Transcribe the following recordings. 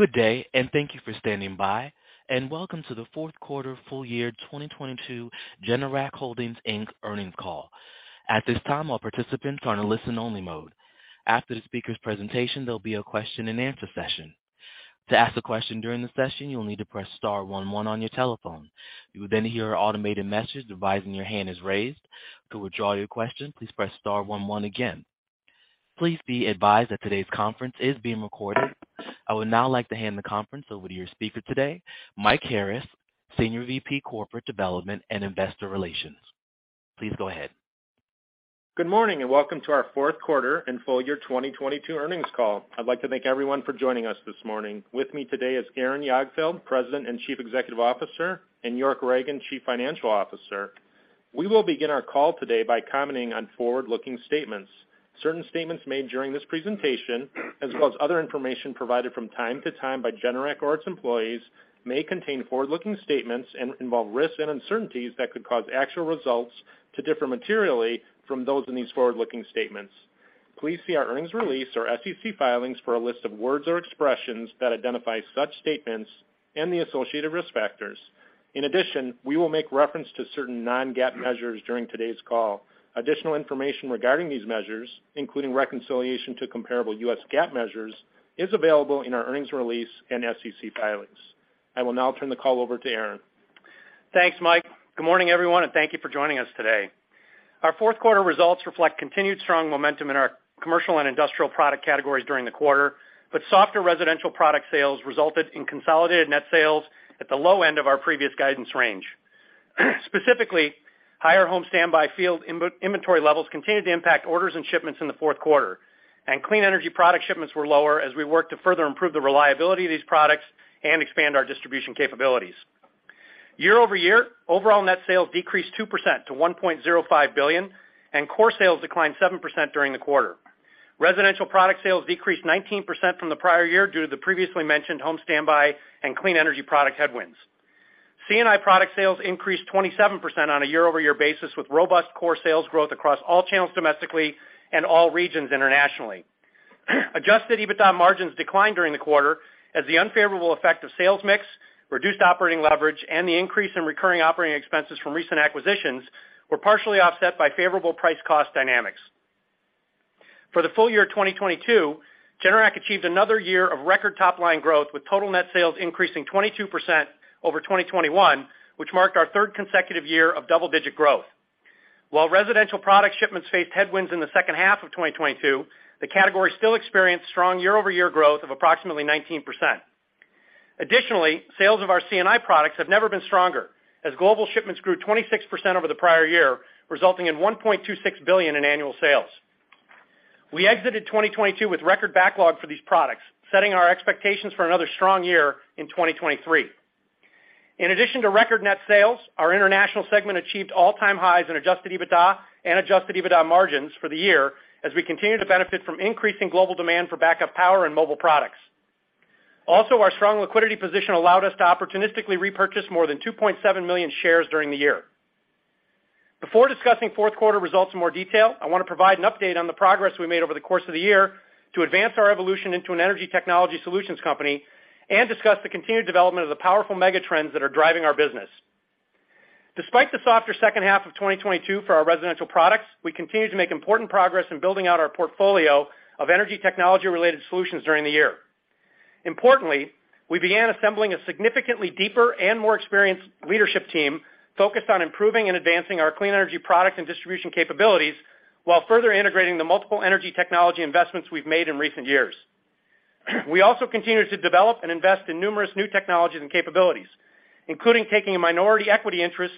Good day, thank you for standing by, welcome to the 4th quarter full year 2022 Generac Holdings Inc. earnings call. At this time, all participants are in a listen-only mode. After the speaker's presentation, there'll be a question and answer session. To ask a question during the session, you'll need to press star one one on your telephone. You will hear an automated message advising your hand is raised. To withdraw your question, please press star one one again. Please be advised that today's conference is being recorded. I would now like to hand the conference over to your speaker today, Mike Harris, Senior VP Corporate Development and Investor Relations. Please go ahead. Good morning. Welcome to our 4th quarter and full year 2022 earnings call. I'd like to thank everyone for joining us this morning. With me today is Aaron Jagdfeld, President and Chief Executive Officer, and York Ragen, Chief Financial Officer. We will begin our call today by commenting on forward-looking statements. Certain statements made during this presentation, as well as other information provided from time to time by Generac or its employees, may contain forward-looking statements and involve risks and uncertainties that could cause actual results to differ materially from those in these forward-looking statements. Please see our earnings release or SEC filings for a list of words or expressions that identify such statements and the associated risk factors. In addition, we will make reference to certain non-GAAP measures during today's call. Additional information regarding these measures, including reconciliation to comparable U.S. GAAP measures, is available in our earnings release and SEC filings. I will now turn the call over to Aaron. Thanks, Mike. Good morning, everyone, thank you for joining us today. Our 4th quarter results reflect continued strong momentum in our commercial and industrial product categories during the quarter. Softer residential product sales resulted in consolidated net sales at the low end of our previous guidance range. Specifically, higher home standby field inventory levels continued to impact orders and shipments in the 4th quarter, and clean energy product shipments were lower as we worked to further improve the reliability of these products and expand our distribution capabilities. Year-over-year, overall net sales decreased 2% to $1.05 billion, and core sales declined 7% during the quarter. Residential product sales decreased 19% from the prior year due to the previously mentioned home standby and clean energy product headwinds. C&I product sales increased 27% on a year-over-year basis with robust core sales growth across all channels domestically and all regions internationally. Adjusted EBITDA margins declined during the quarter as the unfavorable effect of sales mix, reduced operating leverage, and the increase in recurring operating expenses from recent acquisitions were partially offset by favorable price cost dynamics. For the full year of 2022, Generac achieved another year of record top-line growth, with total net sales increasing 22% over 2021, which marked our third consecutive year of double-digit growth. While residential product shipments faced headwinds in the second half of 2022, the category still experienced strong year-over-year growth of approximately 19%. Sales of our C&I products have never been stronger as global shipments grew 26% over the prior year, resulting in $1.26 billion in annual sales. We exited 2022 with record backlog for these products, setting our expectations for another strong year in 2023. In addition to record net sales, our international segment achieved all-time highs in adjusted EBITDA and adjusted EBITDA margins for the year as we continue to benefit from increasing global demand for backup power and mobile products. Our strong liquidity position allowed us to opportunistically repurchase more than 2.7 million shares during the year. Before discussing 4th quarter results in more detail, I want to provide an update on the progress we made over the course of the year to advance our evolution into an energy technology solutions company and discuss the continued development of the powerful mega trends that are driving our business. Despite the softer second half of 2022 for our residential products, we continue to make important progress in building out our portfolio of energy technology-related solutions during the year. Importantly, we began assembling a significantly deeper and more experienced leadership team focused on improving and advancing our clean energy product and distribution capabilities while further integrating the multiple energy technology investments we've made in recent years. We also continue to develop and invest in numerous new technologies and capabilities, including taking a minority equity interest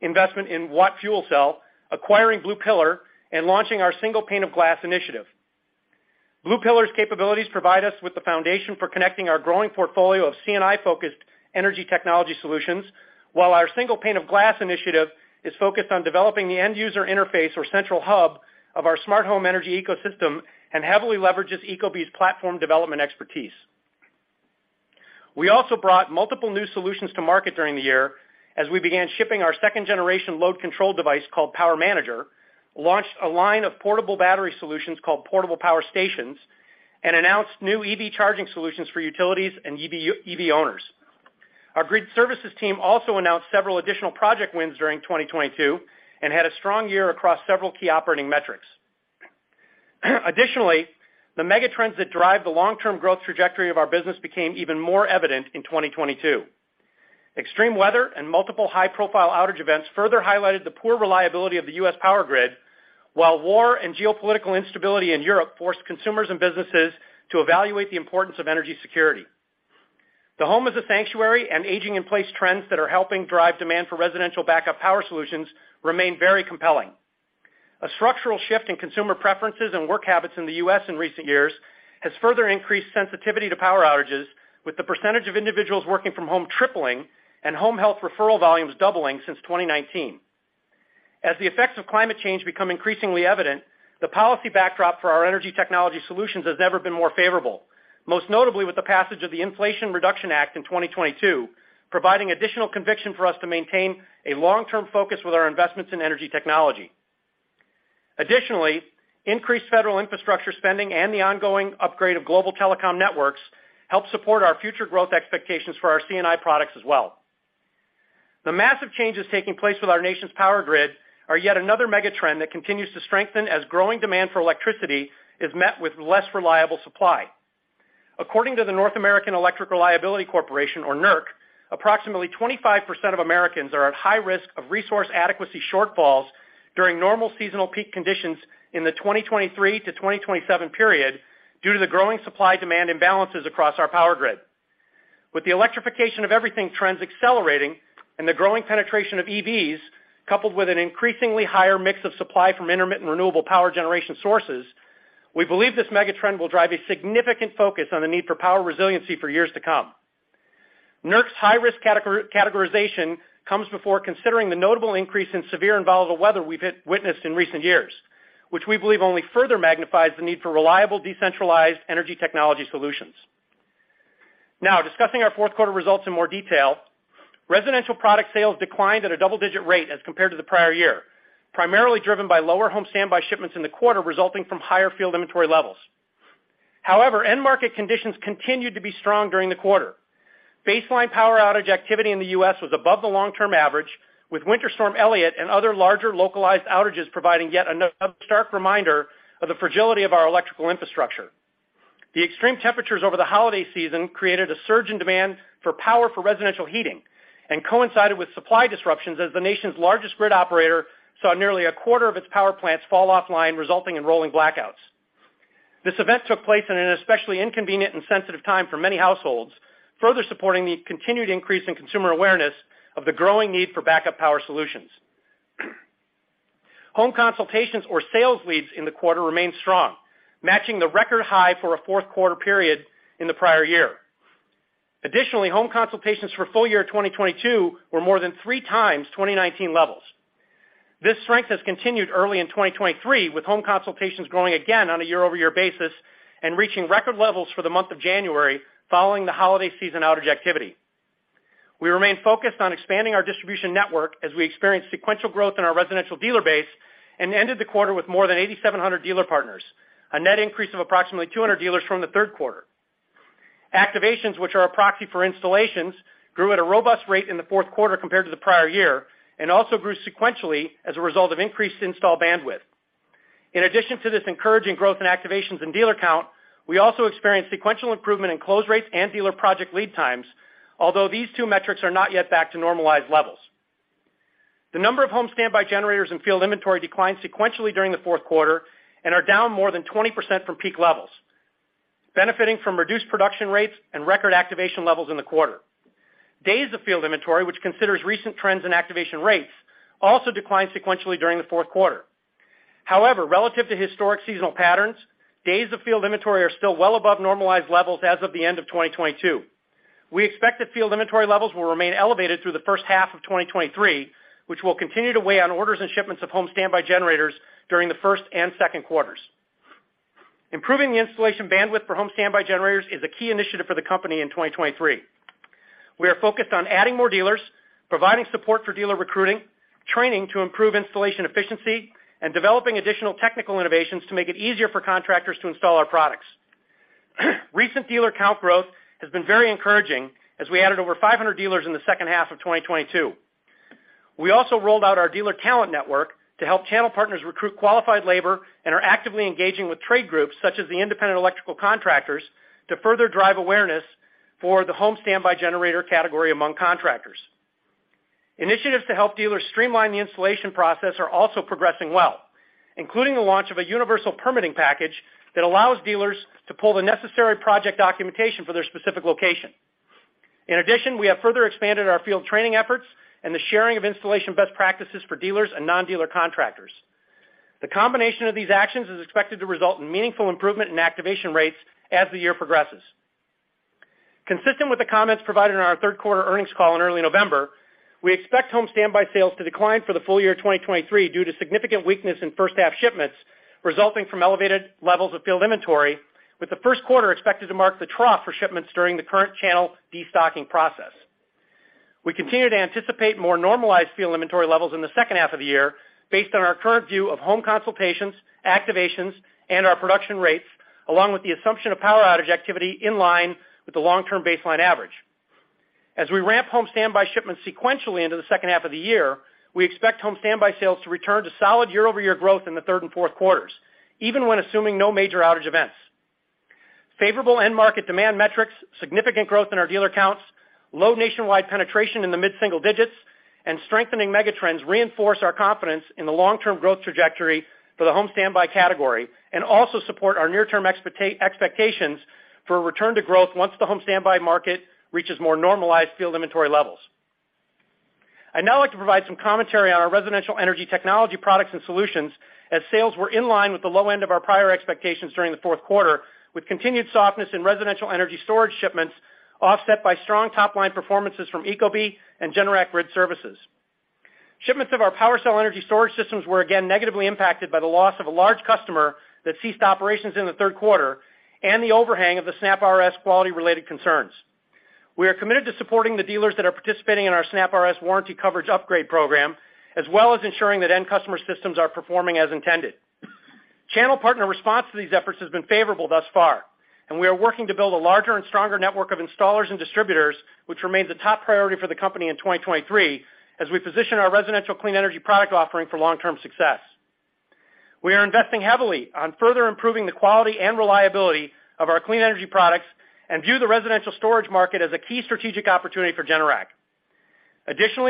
investment in WATT Fuel Cell, acquiring Blue Pillar, and launching our Single Pane of Glass initiative. Blue Pillar's capabilities provide us with the foundation for connecting our growing portfolio of C&I-focused energy technology solutions, while our Single Pane of Glass initiative is focused on developing the end-user interface or central hub of our smart home energy ecosystem and heavily leverages ecobee's platform development expertise. We also brought multiple new solutions to market during the year as we began shipping our second-generation load control device called PWRmanager, launched a line of Portable Power Stations, and announced new EV charging solutions for utilities and EV owners. Our Grid Services team also announced several additional project wins during 2022 and had a strong year across several key operating metrics. The mega trends that drive the long-term growth trajectory of our business became even more evident in 2022. Extreme weather and multiple high-profile outage events further highlighted the poor reliability of the U.S. power grid, while war and geopolitical instability in Europe forced consumers and businesses to evaluate the importance of energy security. The home as a sanctuary and aging-in-place trends that are helping drive demand for residential backup power solutions remain very compelling. A structural shift in consumer preferences and work habits in the U.S. in recent years has further increased sensitivity to power outages, with the % of individuals working from home tripling and home health referral volumes doubling since 2019. As the effects of climate change become increasingly evident, the policy backdrop for our energy technology solutions has never been more favorable. Most notably with the passage of the Inflation Reduction Act in 2022, providing additional conviction for us to maintain a long-term focus with our investments in energy technology. Increased federal infrastructure spending and the ongoing upgrade of global telecom networks help support our future growth expectations for our C&I products as well. The massive changes taking place with our nation's power grid are yet another mega trend that continues to strengthen as growing demand for electricity is met with less reliable supply. According to the North American Electric Reliability Corporation, or NERC, approximately 25% of Americans are at high risk of resource adequacy shortfalls during normal seasonal peak conditions in the 2023 to 2027 period due to the growing supply demand imbalances across our power grid. With the electrification of everything trends accelerating and the growing penetration of EVs, coupled with an increasingly higher mix of supply from intermittent renewable power generation sources, we believe this mega trend will drive a significant focus on the need for power resiliency for years to come. NERC's high-risk categorization comes before considering the notable increase in severe and volatile weather we've witnessed in recent years, which we believe only further magnifies the need for reliable, decentralized energy technology solutions. Discussing our 4th quarter results in more detail. Residential product sales declined at a double-digit rate as compared to the prior year, primarily driven by lower home standby shipments in the quarter resulting from higher field inventory levels. End market conditions continued to be strong during the quarter. Baseline power outage activity in the U.S. was above the long-term average, with Winter Storm Elliott and other larger localized outages providing yet another stark reminder of the fragility of our electrical infrastructure. The extreme temperatures over the holiday season created a surge in demand for power for residential heating and coincided with supply disruptions as the nation's largest grid operator saw nearly a quarter of its power plants fall offline, resulting in rolling blackouts. This event took place in an especially inconvenient and sensitive time for many households, further supporting the continued increase in consumer awareness of the growing need for backup power solutions. Home consultations or sales leads in the quarter remained strong, matching the record high for a 4th quarter period in the prior year. Additionally, home consultations for full year 2022 were more than three times 2019 levels. This strength has continued early in 2023, with home consultations growing again on a year-over-year basis and reaching record levels for the month of January following the holiday season outage activity. We remain focused on expanding our distribution network as we experience sequential growth in our residential dealer base and ended the quarter with more than 8,700 dealer partners, a net increase of approximately 200 dealers from the 3rd quarter. Activations, which are a proxy for installations, grew at a robust rate in the 4th quarter compared to the prior year, and also grew sequentially as a result of increased install bandwidth. In addition to this encouraging growth in activations and dealer count, we also experienced sequential improvement in close rates and dealer project lead times, although these two metrics are not yet back to normalized levels. The number of home standby generators and field inventory declined sequentially during the 4th quarter and are down more than 20% from peak levels, benefiting from reduced production rates and record activation levels in the quarter. Days of field inventory, which considers recent trends in activation rates, also declined sequentially during the 4th quarter. However, relative to historic seasonal patterns, days of field inventory are still well above normalized levels as of the end of 2022. We expect that field inventory levels will remain elevated through the first half of 2023, which will continue to weigh on orders and shipments of home standby generators during the 1st and 2nd quarters. Improving the installation bandwidth for home standby generators is a key initiative for the company in 2023. We are focused on adding more dealers, providing support for dealer recruiting, training to improve installation efficiency, and developing additional technical innovations to make it easier for contractors to install our products. Recent dealer count growth has been very encouraging as we added over 500 dealers in the second half of 2022. We also rolled out our Dealer Talent Network to help channel partners recruit qualified labor and are actively engaging with trade groups such as the Independent Electrical Contractors to further drive awareness for the home standby generator category among contractors. Initiatives to help dealers streamline the installation process are also progressing well, including the launch of a universal permitting package that allows dealers to pull the necessary project documentation for their specific location. We have further expanded our field training efforts and the sharing of installation best practices for dealers and non-dealer contractors. The combination of these actions is expected to result in meaningful improvement in activation rates as the year progresses. Consistent with the comments provided in our 3rd quarter earnings call in early November, we expect home standby sales to decline for the full year of 2023 due to significant weakness in first half shipments resulting from elevated levels of field inventory, with the 1st quarter expected to mark the trough for shipments during the current channel destocking process. We continue to anticipate more normalized field inventory levels in the second half of the year based on our current view of home consultations, activations, and our production rates, along with the assumption of power outage activity in line with the long-term baseline average. As we ramp home standby shipments sequentially into the second half of the year, we expect home standby sales to return to solid year-over-year growth in the 3rd and 4th quarters, even when assuming no major outage events. Favorable end market demand metrics, significant growth in our dealer counts, low nationwide penetration in the mid-single digits, and strengthening mega trends reinforce our confidence in the long-term growth trajectory for the home standby category and also support our near-term expectations for a return to growth once the home standby market reaches more normalized field inventory levels. I'd now like to provide some commentary on our residential energy technology products and solutions as sales were in line with the low end of our prior expectations during the 4th quarter, with continued softness in residential energy storage shipments offset by strong top-line performances from ecobee and Generac Grid Services. Shipments of our PWRcell energy storage systems were again negatively impacted by the loss of a large customer that ceased operations in the 3rd quarter and the overhang of the SnapRS quality-related concerns. We are committed to supporting the dealers that are participating in our SnapRS warranty coverage upgrade program, as well as ensuring that end customer systems are performing as intended. Channel partner response to these efforts has been favorable thus far, and we are working to build a larger and stronger network of installers and distributors, which remains a top priority for the company in 2023 as we position our residential clean energy product offering for long-term success. We are investing heavily on further improving the quality and reliability of our clean energy products and view the residential storage market as a key strategic opportunity for Generac.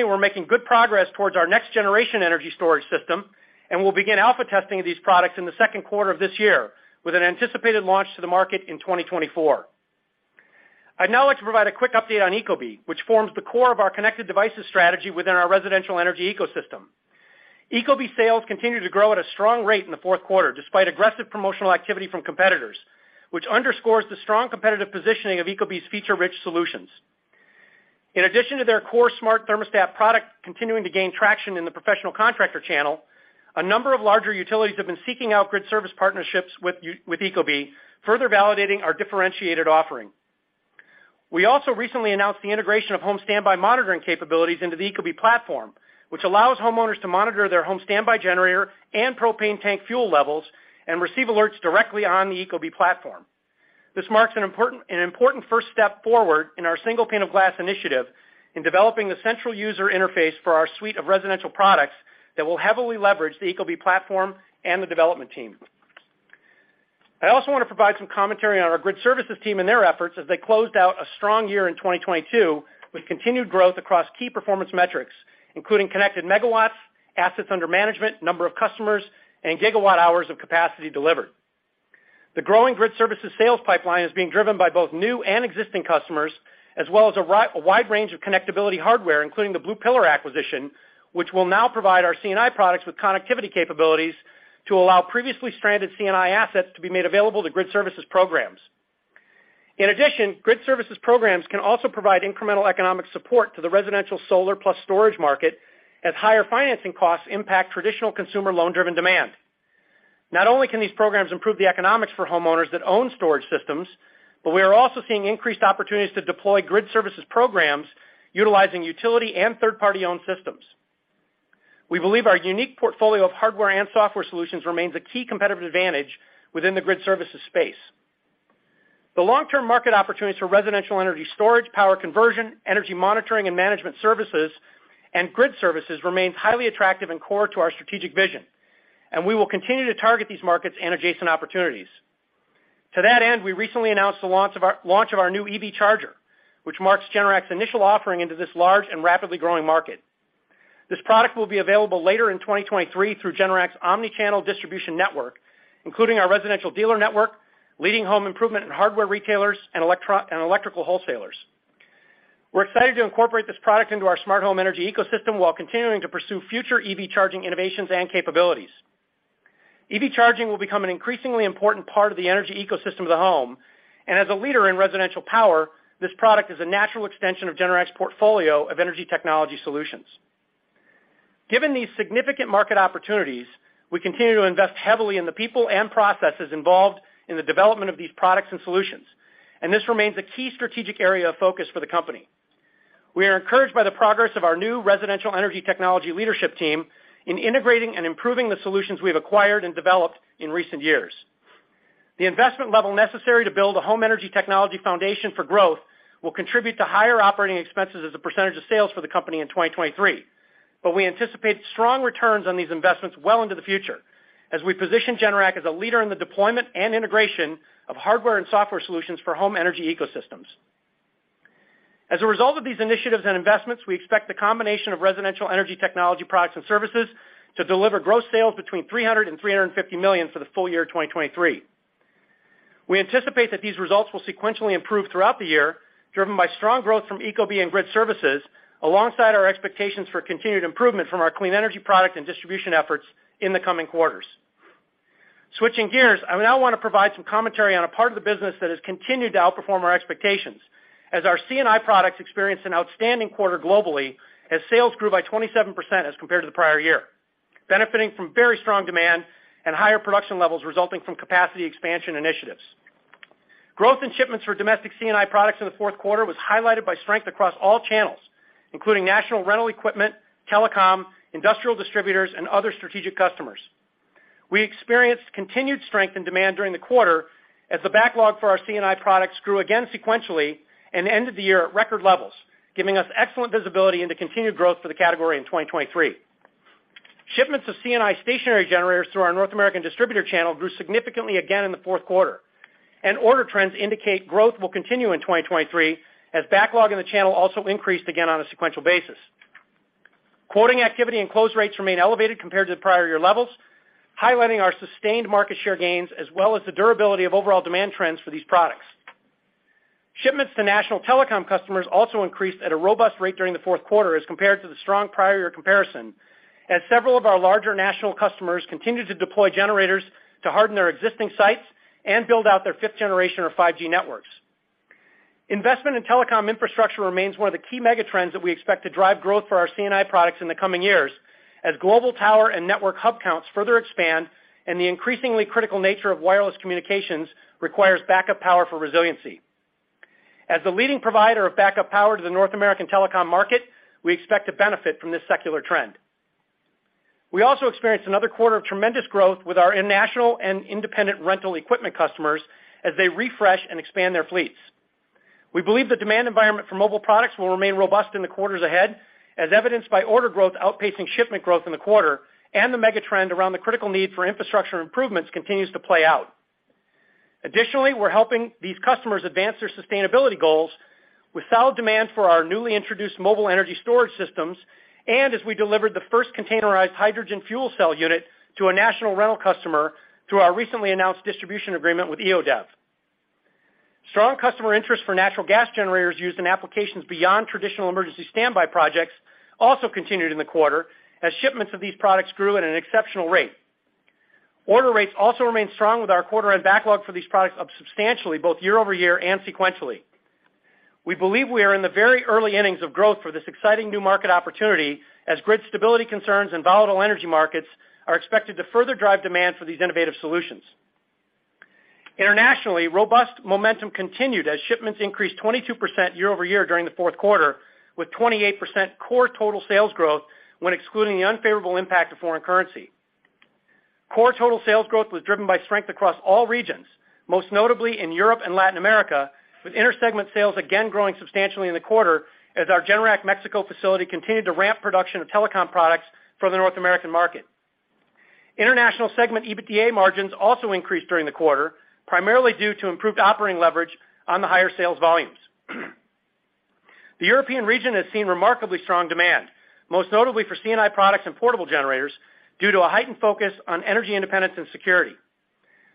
We're making good progress towards our next generation energy storage system, and we'll begin alpha testing of these products in the 2nd quarter of this year, with an anticipated launch to the market in 2024. I'd now like to provide a quick update on ecobee, which forms the core of our connected devices strategy within our residential energy ecosystem. ecobee sales continued to grow at a strong rate in the 4th quarter, despite aggressive promotional activity from competitors, which underscores the strong competitive positioning of ecobee's feature-rich solutions. In addition to their core smart thermostat product continuing to gain traction in the professional contractor channel, a number of larger utilities have been seeking out grid service partnerships with with ecobee, further validating our differentiated offering. We also recently announced the integration of home standby monitoring capabilities into the ecobee platform, which allows homeowners to monitor their home standby generator and propane tank fuel levels and receive alerts directly on the ecobee platform. This marks an important first step forward in our Single Pane of Glass initiative in developing the central user interface for our suite of residential products that will heavily leverage the ecobee platform and the development team. I also want to provide some commentary on our Grid Services team and their efforts as they closed out a strong year in 2022, with continued growth across key performance metrics, including connected megawatts, assets under management, number of customers, and gigawatt-hours of capacity delivered. The growing Grid Services sales pipeline is being driven by both new and existing customers, as well as a wide range of connectability hardware, including the Blue Pillar acquisition, which will now provide our C&I products with connectivity capabilities to allow previously stranded C&I assets to be made available to Grid Services programs. In addition, Grid Services programs can also provide incremental economic support to the residential solar plus storage market as higher financing costs impact traditional consumer loan-driven demand. Not only can these programs improve the economics for homeowners that own storage systems, but we are also seeing increased opportunities to deploy Grid Services programs utilizing utility and third-party owned systems. We believe our unique portfolio of hardware and software solutions remains a key competitive advantage within the Grid Services space. The long-term market opportunities for residential energy storage, power conversion, energy monitoring and management services, and Grid Services remains highly attractive and core to our strategic vision, and we will continue to target these markets and adjacent opportunities. To that end, we recently announced the launch of our new EV charger, which marks Generac's initial offering into this large and rapidly growing market. This product will be available later in 2023 through Generac's omni-channel distribution network, including our residential dealer network, leading home improvement and hardware retailers and electrical wholesalers. We're excited to incorporate this product into our smart home energy ecosystem while continuing to pursue future EV charging innovations and capabilities. EV charging will become an increasingly important part of the energy ecosystem of the home, and as a leader in residential power, this product is a natural extension of Generac's portfolio of energy technology solutions. Given these significant market opportunities, we continue to invest heavily in the people and processes involved in the development of these products and solutions, and this remains a key strategic area of focus for the company. We are encouraged by the progress of our new residential energy technology leadership team in integrating and improving the solutions we've acquired and developed in recent years. The investment level necessary to build a home energy technology foundation for growth will contribute to higher operating expenses as a percentage of sales for the company in 2023. We anticipate strong returns on these investments well into the future as we position Generac as a leader in the deployment and integration of hardware and software solutions for home energy ecosystems. As a result of these initiatives and investments, we expect the combination of residential energy technology products and services to deliver gross sales between $300 million and $350 million for the full year of 2023. We anticipate that these results will sequentially improve throughout the year, driven by strong growth from ecobee and Grid Services, alongside our expectations for continued improvement from our clean energy product and distribution efforts in the coming quarters. Switching gears, I now want to provide some commentary on a part of the business that has continued to outperform our expectations as our C&I products experienced an outstanding quarter globally as sales grew by 27% as compared to the prior year, benefiting from very strong demand and higher production levels resulting from capacity expansion initiatives. Growth in shipments for domestic C&I products in the 4th quarter was highlighted by strength across all channels, including national rental equipment, telecom, industrial distributors, and other strategic customers. We experienced continued strength in demand during the quarter as the backlog for our C&I products grew again sequentially and ended the year at record levels, giving us excellent visibility into continued growth for the category in 2023. Shipments of C&I stationary generators through our North American distributor channel grew significantly again in the 4th quarter, and order trends indicate growth will continue in 2023 as backlog in the channel also increased again on a sequential basis. Quoting activity and close rates remain elevated compared to the prior year levels, highlighting our sustained market share gains as well as the durability of overall demand trends for these products. Shipments to national telecom customers also increased at a robust rate during the 4th quarter as compared to the strong prior year comparison, as several of our larger national customers continued to deploy generators to harden their existing sites and build out their fifth generation or 5G networks. Investment in telecom infrastructure remains one of the key mega trends that we expect to drive growth for our C&I products in the coming years. As global tower and network hub counts further expand and the increasingly critical nature of wireless communications requires backup power for resiliency. As the leading provider of backup power to the North American telecom market, we expect to benefit from this secular trend. We also experienced another quarter of tremendous growth with our international and independent rental equipment customers as they refresh and expand their fleets. We believe the demand environment for mobile products will remain robust in the quarters ahead, as evidenced by order growth outpacing shipment growth in the quarter and the mega trend around the critical need for infrastructure improvements continues to play out. Additionally, we're helping these customers advance their sustainability goals with solid demand for our newly introduced mobile energy storage systems and as we delivered the first containerized hydrogen fuel cell unit to a national rental customer through our recently announced distribution agreement with EODev. Strong customer interest for natural gas generators used in applications beyond traditional emergency standby projects also continued in the quarter as shipments of these products grew at an exceptional rate. Order rates also remained strong with our quarter end backlog for these products up substantially both year-over-year and sequentially. We believe we are in the very early innings of growth for this exciting new market opportunity as grid stability concerns and volatile energy markets are expected to further drive demand for these innovative solutions. Internationally, robust momentum continued as shipments increased 22% year-over-year during the 4th quarter, with 28% core total sales growth when excluding the unfavorable impact of foreign currency. Core total sales growth was driven by strength across all regions, most notably in Europe and Latin America, with inter-segment sales again growing substantially in the quarter as our Generac Mexico facility continued to ramp production of telecom products for the North American market. International segment EBITDA margins also increased during the quarter, primarily due to improved operating leverage on the higher sales volumes. The European region has seen remarkably strong demand, most notably for C&I products and portable generators due to a heightened focus on energy independence and security.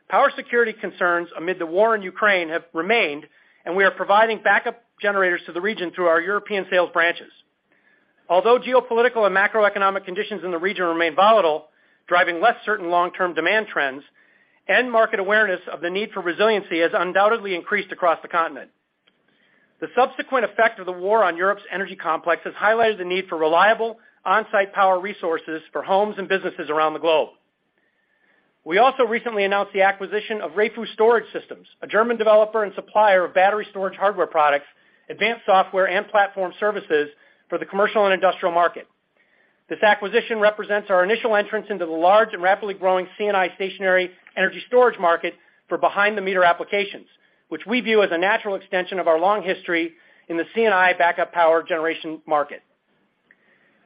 Power security concerns amid the war in Ukraine have remained, and we are providing backup generators to the region through our European sales branches. Although geopolitical and macroeconomic conditions in the region remain volatile, driving less certain long-term demand trends, end market awareness of the need for resiliency has undoubtedly increased across the continent. The subsequent effect of the war on Europe's energy complex has highlighted the need for reliable on-site power resources for homes and businesses around the globe. We also recently announced the acquisition of REFU Storage Systems, a German developer and supplier of battery storage hardware products, advanced software and platform services for the commercial and industrial market. This acquisition represents our initial entrance into the large and rapidly growing C&I stationary energy storage market for behind-the-meter applications, which we view as a natural extension of our long history in the C&I backup power generation market.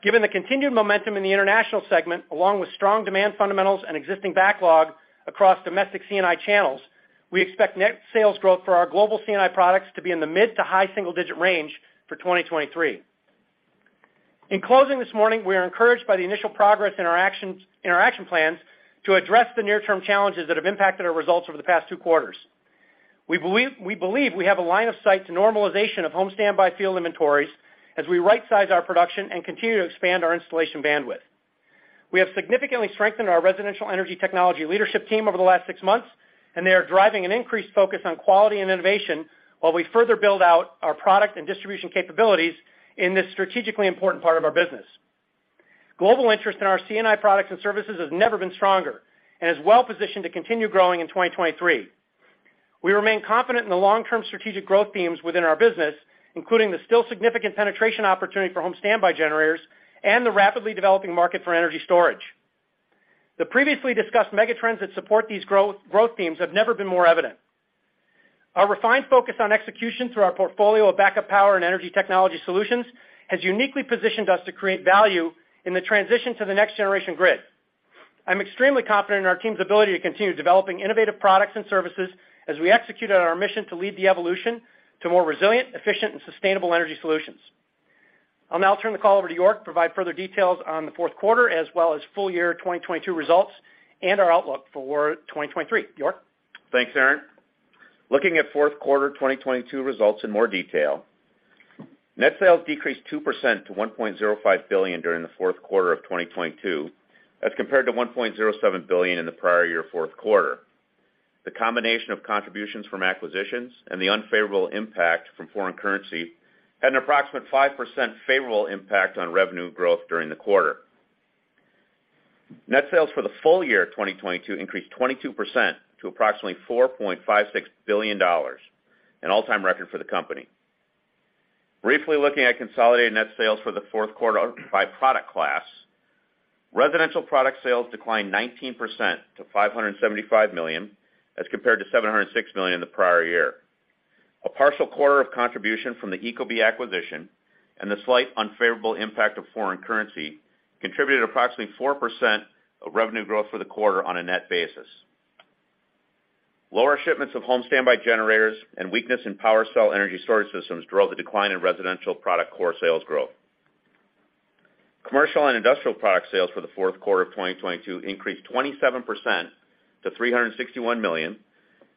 Given the continued momentum in the international segment, along with strong demand fundamentals and existing backlog across domestic C&I channels, we expect net sales growth for our global C&I products to be in the mid to high single digit range for 2023. In closing this morning, we are encouraged by the initial progress in our action plans to address the near-term challenges that have impacted our results over the past two quarters. We believe we have a line of sight to normalization of home standby field inventories as we rightsize our production and continue to expand our installation bandwidth. We have significantly strengthened our residential energy technology leadership team over the last six months, they are driving an increased focus on quality and innovation while we further build out our product and distribution capabilities in this strategically important part of our business. Global interest in our C&I products and services has never been stronger and is well-positioned to continue growing in 2023. We remain confident in the long-term strategic growth themes within our business, including the still significant penetration opportunity for home standby generators and the rapidly developing market for energy storage. The previously discussed mega trends that support these growth themes have never been more evident. Our refined focus on execution through our portfolio of backup power and energy technology solutions has uniquely positioned us to create value in the transition to the next generation grid. I'm extremely confident in our team's ability to continue developing innovative products and services as we execute on our mission to lead the evolution to more resilient, efficient and sustainable energy solutions. I'll now turn the call over to York to provide further details on the 4th quarter as well as full year 2022 results and our outlook for 2023. York? Thanks, Aaron. Looking at 4th quarter 2022 results in more detail. Net sales decreased 2% to $1.05 billion during the 4th quarter of 2022, as compared to $1.07 billion in the prior year 4th quarter. The combination of contributions from acquisitions and the unfavorable impact from foreign currency had an approximate 5% favorable impact on revenue growth during the quarter. Net sales for the full year 2022 increased 22% to approximately $4.56 billion, an all-time record for the company. Briefly looking at consolidated net sales for the 4th quarter by product class. Residential product sales declined 19% to $575 million, as compared to $706 million in the prior year. A partial quarter of contribution from the ecobee acquisition and the slight unfavorable impact of foreign currency contributed approximately 4% of revenue growth for the quarter on a net basis. Lower shipments of home standby generators and weakness in PWRcell energy storage systems drove the decline in residential product core sales growth. Commercial and industrial product sales for the 4th quarter of 2022 increased 27% to $361 million,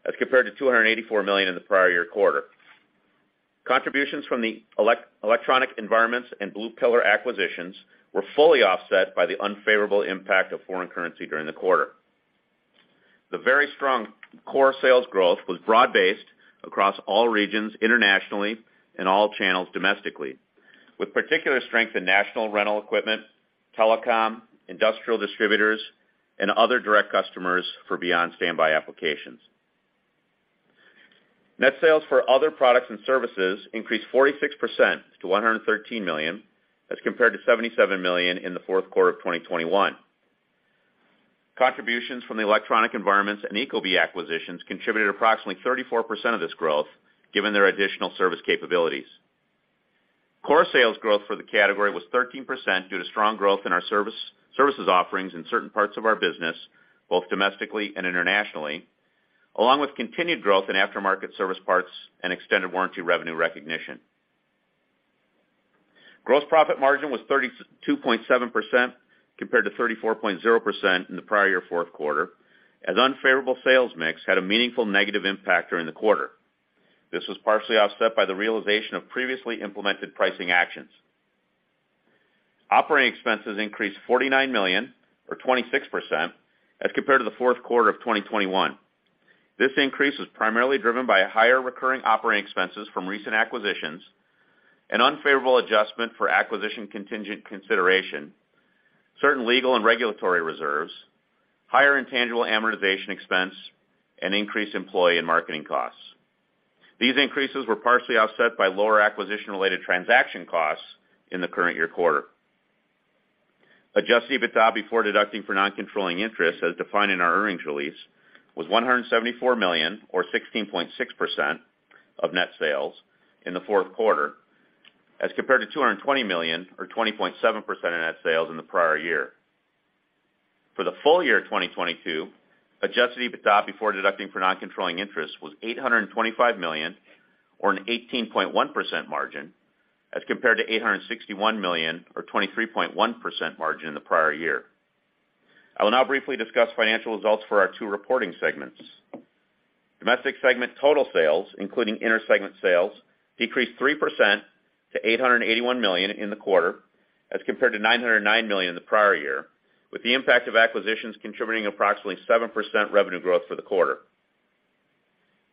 as compared to $284 million in the prior year quarter. Contributions from the Electronic Environments and Blue Pillar acquisitions were fully offset by the unfavorable impact of foreign currency during the quarter. The very strong core sales growth was broad-based across all regions internationally and all channels domestically, with particular strength in national rental equipment, telecom, industrial distributors, and other direct customers for beyond standby applications. Net sales for other products and services increased 46% to $113 million as compared to $77 million in the 4th quarter of 2021. Contributions from the Electronic Environments and ecobee acquisitions contributed approximately 34% of this growth given their additional service capabilities. Core sales growth for the category was 13% due to strong growth in our services offerings in certain parts of our business, both domestically and internationally, along with continued growth in aftermarket service parts and extended warranty revenue recognition. Gross profit margin was 32.7% compared to 34.0% in the prior year 4th quarter, as unfavorable sales mix had a meaningful negative impact during the quarter. This was partially offset by the realization of previously implemented pricing actions. Operating expenses increased $49 million or 26% as compared to the 4th quarter of 2021. This increase was primarily driven by higher recurring operating expenses from recent acquisitions and unfavorable adjustment for acquisition contingent consideration, certain legal and regulatory reserves, higher intangible amortization expense, and increased employee and marketing costs. These increases were partially offset by lower acquisition-related transaction costs in the current year quarter. Adjusted EBITDA before deducting for non-controlling interest, as defined in our earnings release, was $174 million or 16.6% of net sales in the 4th quarter as compared to $220 million or 20.7% of net sales in the prior year. For the full year of 2022, Adjusted EBITDA before deducting for non-controlling interest was $825 million or an 18.1% margin as compared to $861 million or 23.1% margin in the prior year. I will now briefly discuss financial results for our two reporting segments. Domestic segment total sales, including inter-segment sales, decreased 3% to $881 million in the quarter as compared to $909 million in the prior year, with the impact of acquisitions contributing approximately 7% revenue growth for the quarter.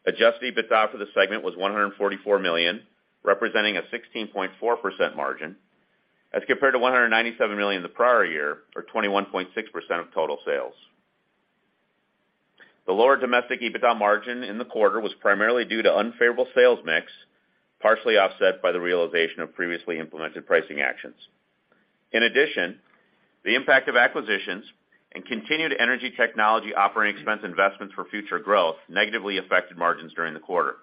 Adjusted EBITDA for the segment was $144 million, representing a 16.4% margin, as compared to $197 million in the prior year or 21.6% of total sales. The lower domestic EBITDA margin in the quarter was primarily due to unfavorable sales mix, partially offset by the realization of previously implemented pricing actions. The impact of acquisitions and continued energy technology operating expense investments for future growth negatively affected margins during the quarter.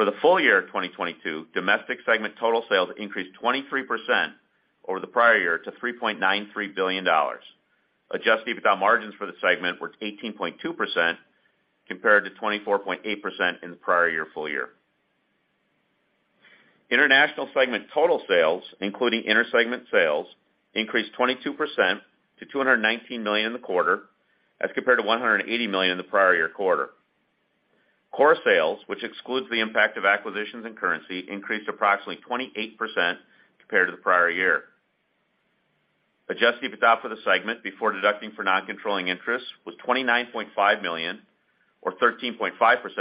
For the full year of 2022, domestic segment total sales increased 23% over the prior year to $3.93 billion. Adjusted EBITDA margins for the segment were 18.2% compared to 24.8% in the prior year full year. International segment total sales, including inter-segment sales, increased 22% to $219 million in the quarter as compared to $180 million in the prior year quarter. Core sales, which excludes the impact of acquisitions and currency, increased approximately 28% compared to the prior year. Adjusted EBITDA for the segment before deducting for non-controlling interest was $29.5 million or 13.5%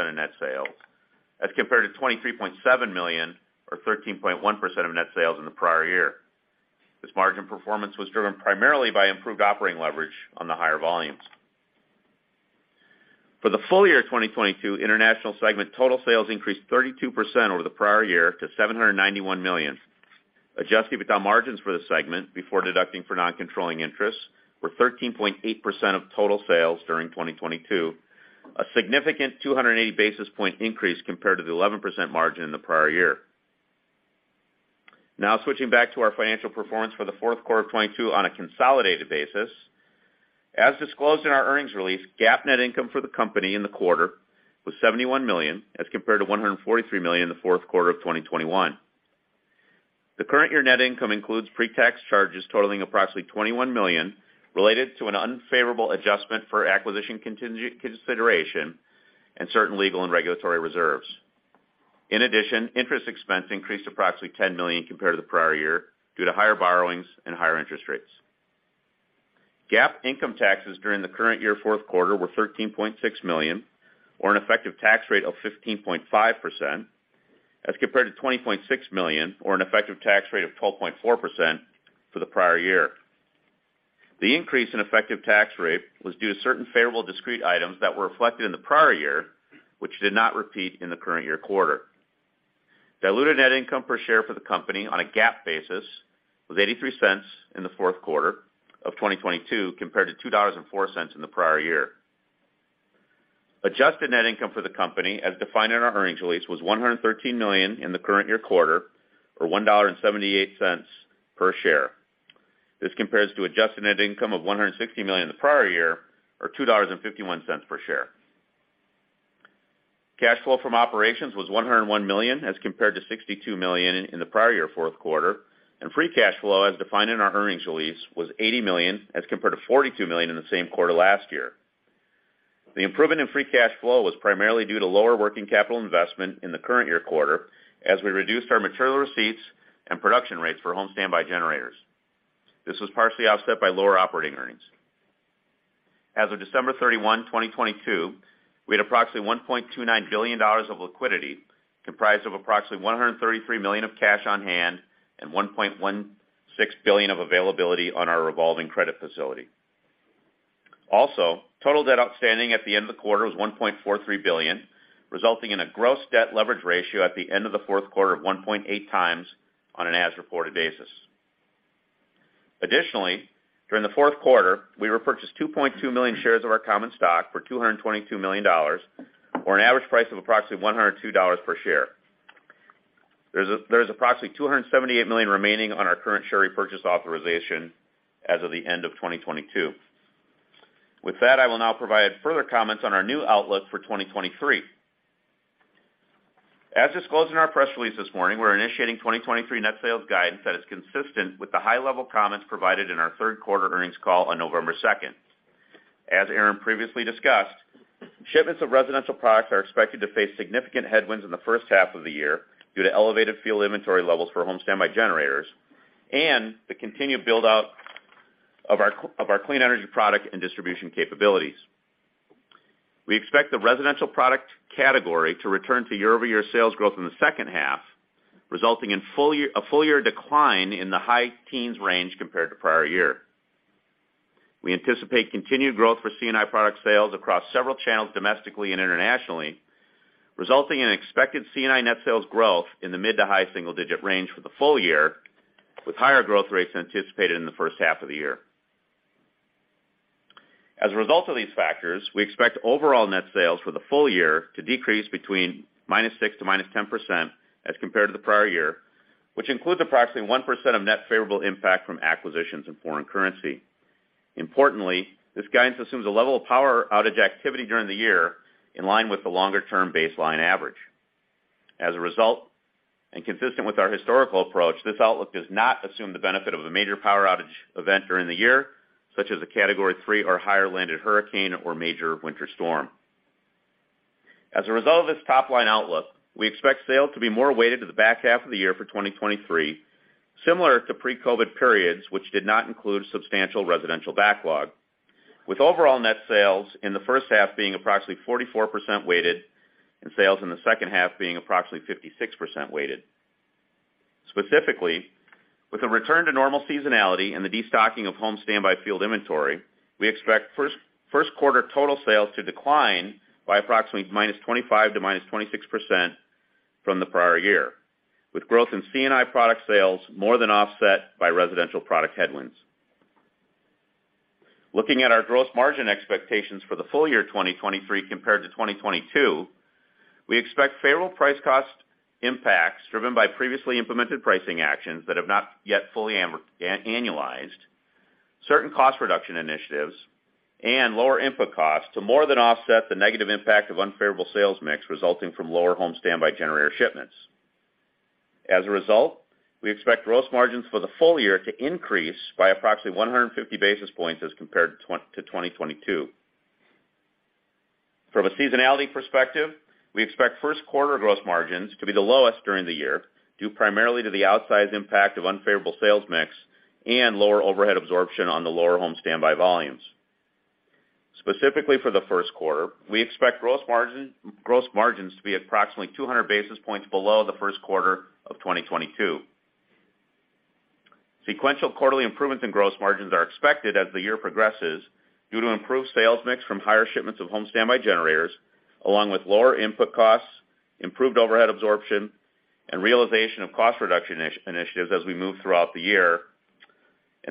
of net sales as compared to $23.7 million or 13.1% of net sales in the prior year. This margin performance was driven primarily by improved operating leverage on the higher volumes. For the full year of 2022, international segment total sales increased 32% over the prior year to $791 million. Adjusted EBITDA margins for the segment before deducting for non-controlling interests were 13.8% of total sales during 2022, a significant 280 basis point increase compared to the 11% margin in the prior year. Switching back to our financial performance for the 4th quarter of 2022 on a consolidated basis. As disclosed in our earnings release, GAAP net income for the company in the quarter was $71 million as compared to $143 million in the 4th quarter of 2021. The current year net income includes pre-tax charges totaling approximately $21 million related to an unfavorable adjustment for acquisition contingent consideration and certain legal and regulatory reserves. In addition, interest expense increased approximately $10 million compared to the prior year due to higher borrowings and higher interest rates. GAAP income taxes during the current year 4th quarter were $13.6 million or an effective tax rate of 15.5% as compared to $20.6 million or an effective tax rate of 12.4% for the prior year. The increase in effective tax rate was due to certain favorable discrete items that were reflected in the prior year, which did not repeat in the current year quarter. Diluted net income per share for the company on a GAAP basis was $0.83 in the 4th quarter of 2022 compared to $2.04 in the prior year. Adjusted net income for the company, as defined in our earnings release, was $113 million in the current year quarter or $1.78 per share. This compares to adjusted net income of $160 million in the prior year or $2.51 per share. Cash flow from operations was $101 million as compared to $62 million in the prior year 4th quarter. Free cash flow, as defined in our earnings release, was $80 million as compared to $42 million in the same quarter last year. The improvement in free cash flow was primarily due to lower working capital investment in the current year quarter as we reduced our material receipts and production rates for home standby generators. This was partially offset by lower operating earnings. As of December 31, 2022, we had approximately $1.29 billion of liquidity, comprised of approximately $133 million of cash on hand and $1.16 billion of availability on our revolving credit facility. Total debt outstanding at the end of the quarter was $1.43 billion, resulting in a gross debt leverage ratio at the end of the 4th quarter of 1.8 times on an as-reported basis. During the 4th quarter, we repurchased 2.2 million shares of our common stock for $222 million or an average price of approximately $102 per share. There's approximately $278 million remaining on our current share repurchase authorization as of the end of 2022. I will now provide further comments on our new outlook for 2023. As disclosed in our press release this morning, we're initiating 2023 net sales guidance that is consistent with the high-level comments provided in our 3rd quarter earnings call on November 2. As Aaron previously discussed, shipments of residential products are expected to face significant headwinds in the first half of the year due to elevated field inventory levels for home standby generators and the continued build-out of our clean energy product and distribution capabilities. We expect the residential product category to return to year-over-year sales growth in the second half, resulting in a full year decline in the high teens range compared to prior year. We anticipate continued growth for C&I product sales across several channels domestically and internationally, resulting in expected C&I net sales growth in the mid to high single digit range for the full year, with higher growth rates anticipated in the first half of the year. As a result of these factors, we expect overall net sales for the full year to decrease between -6% to -10% as compared to the prior year, which includes approximately 1% of net favorable impact from acquisitions in foreign currency. Importantly, this guidance assumes a level of power outage activity during the year in line with the longer-term baseline average. As a result, and consistent with our historical approach, this outlook does not assume the benefit of a major power outage event during the year, such as a Category 3 or higher landed hurricane or major winter storm. As a result of this top-line outlook, we expect sales to be more weighted to the back half of the year for 2023, similar to pre-COVID periods which did not include substantial residential backlog, with overall net sales in the first half being approximately 44% weighted and sales in the second half being approximately 56% weighted. Specifically, with a return to normal seasonality and the destocking of home standby field inventory, we expect 1st quarter total sales to decline by approximately -25% to -26% from the prior year, with growth in C&I product sales more than offset by residential product headwinds. Looking at our gross margin expectations for the full year 2023 compared to 2022, we expect favorable price cost impacts driven by previously implemented pricing actions that have not yet fully annualized, certain cost reduction initiatives, and lower input costs to more than offset the negative impact of unfavorable sales mix resulting from lower home standby generator shipments. As a result, we expect gross margins for the full year to increase by approximately 150 basis points as compared to 2022. From a seasonality perspective, we expect 1st quarter gross margins to be the lowest during the year, due primarily to the outsized impact of unfavorable sales mix and lower overhead absorption on the lower home standby volumes. Specifically for the 1st quarter, we expect gross margins to be approximately 200 basis points below the 1st quarter of 2022. Sequential quarterly improvements in gross margins are expected as the year progresses due to improved sales mix from higher shipments of home standby generators, along with lower input costs, improved overhead absorption, and realization of cost reduction initiatives as we move throughout the year.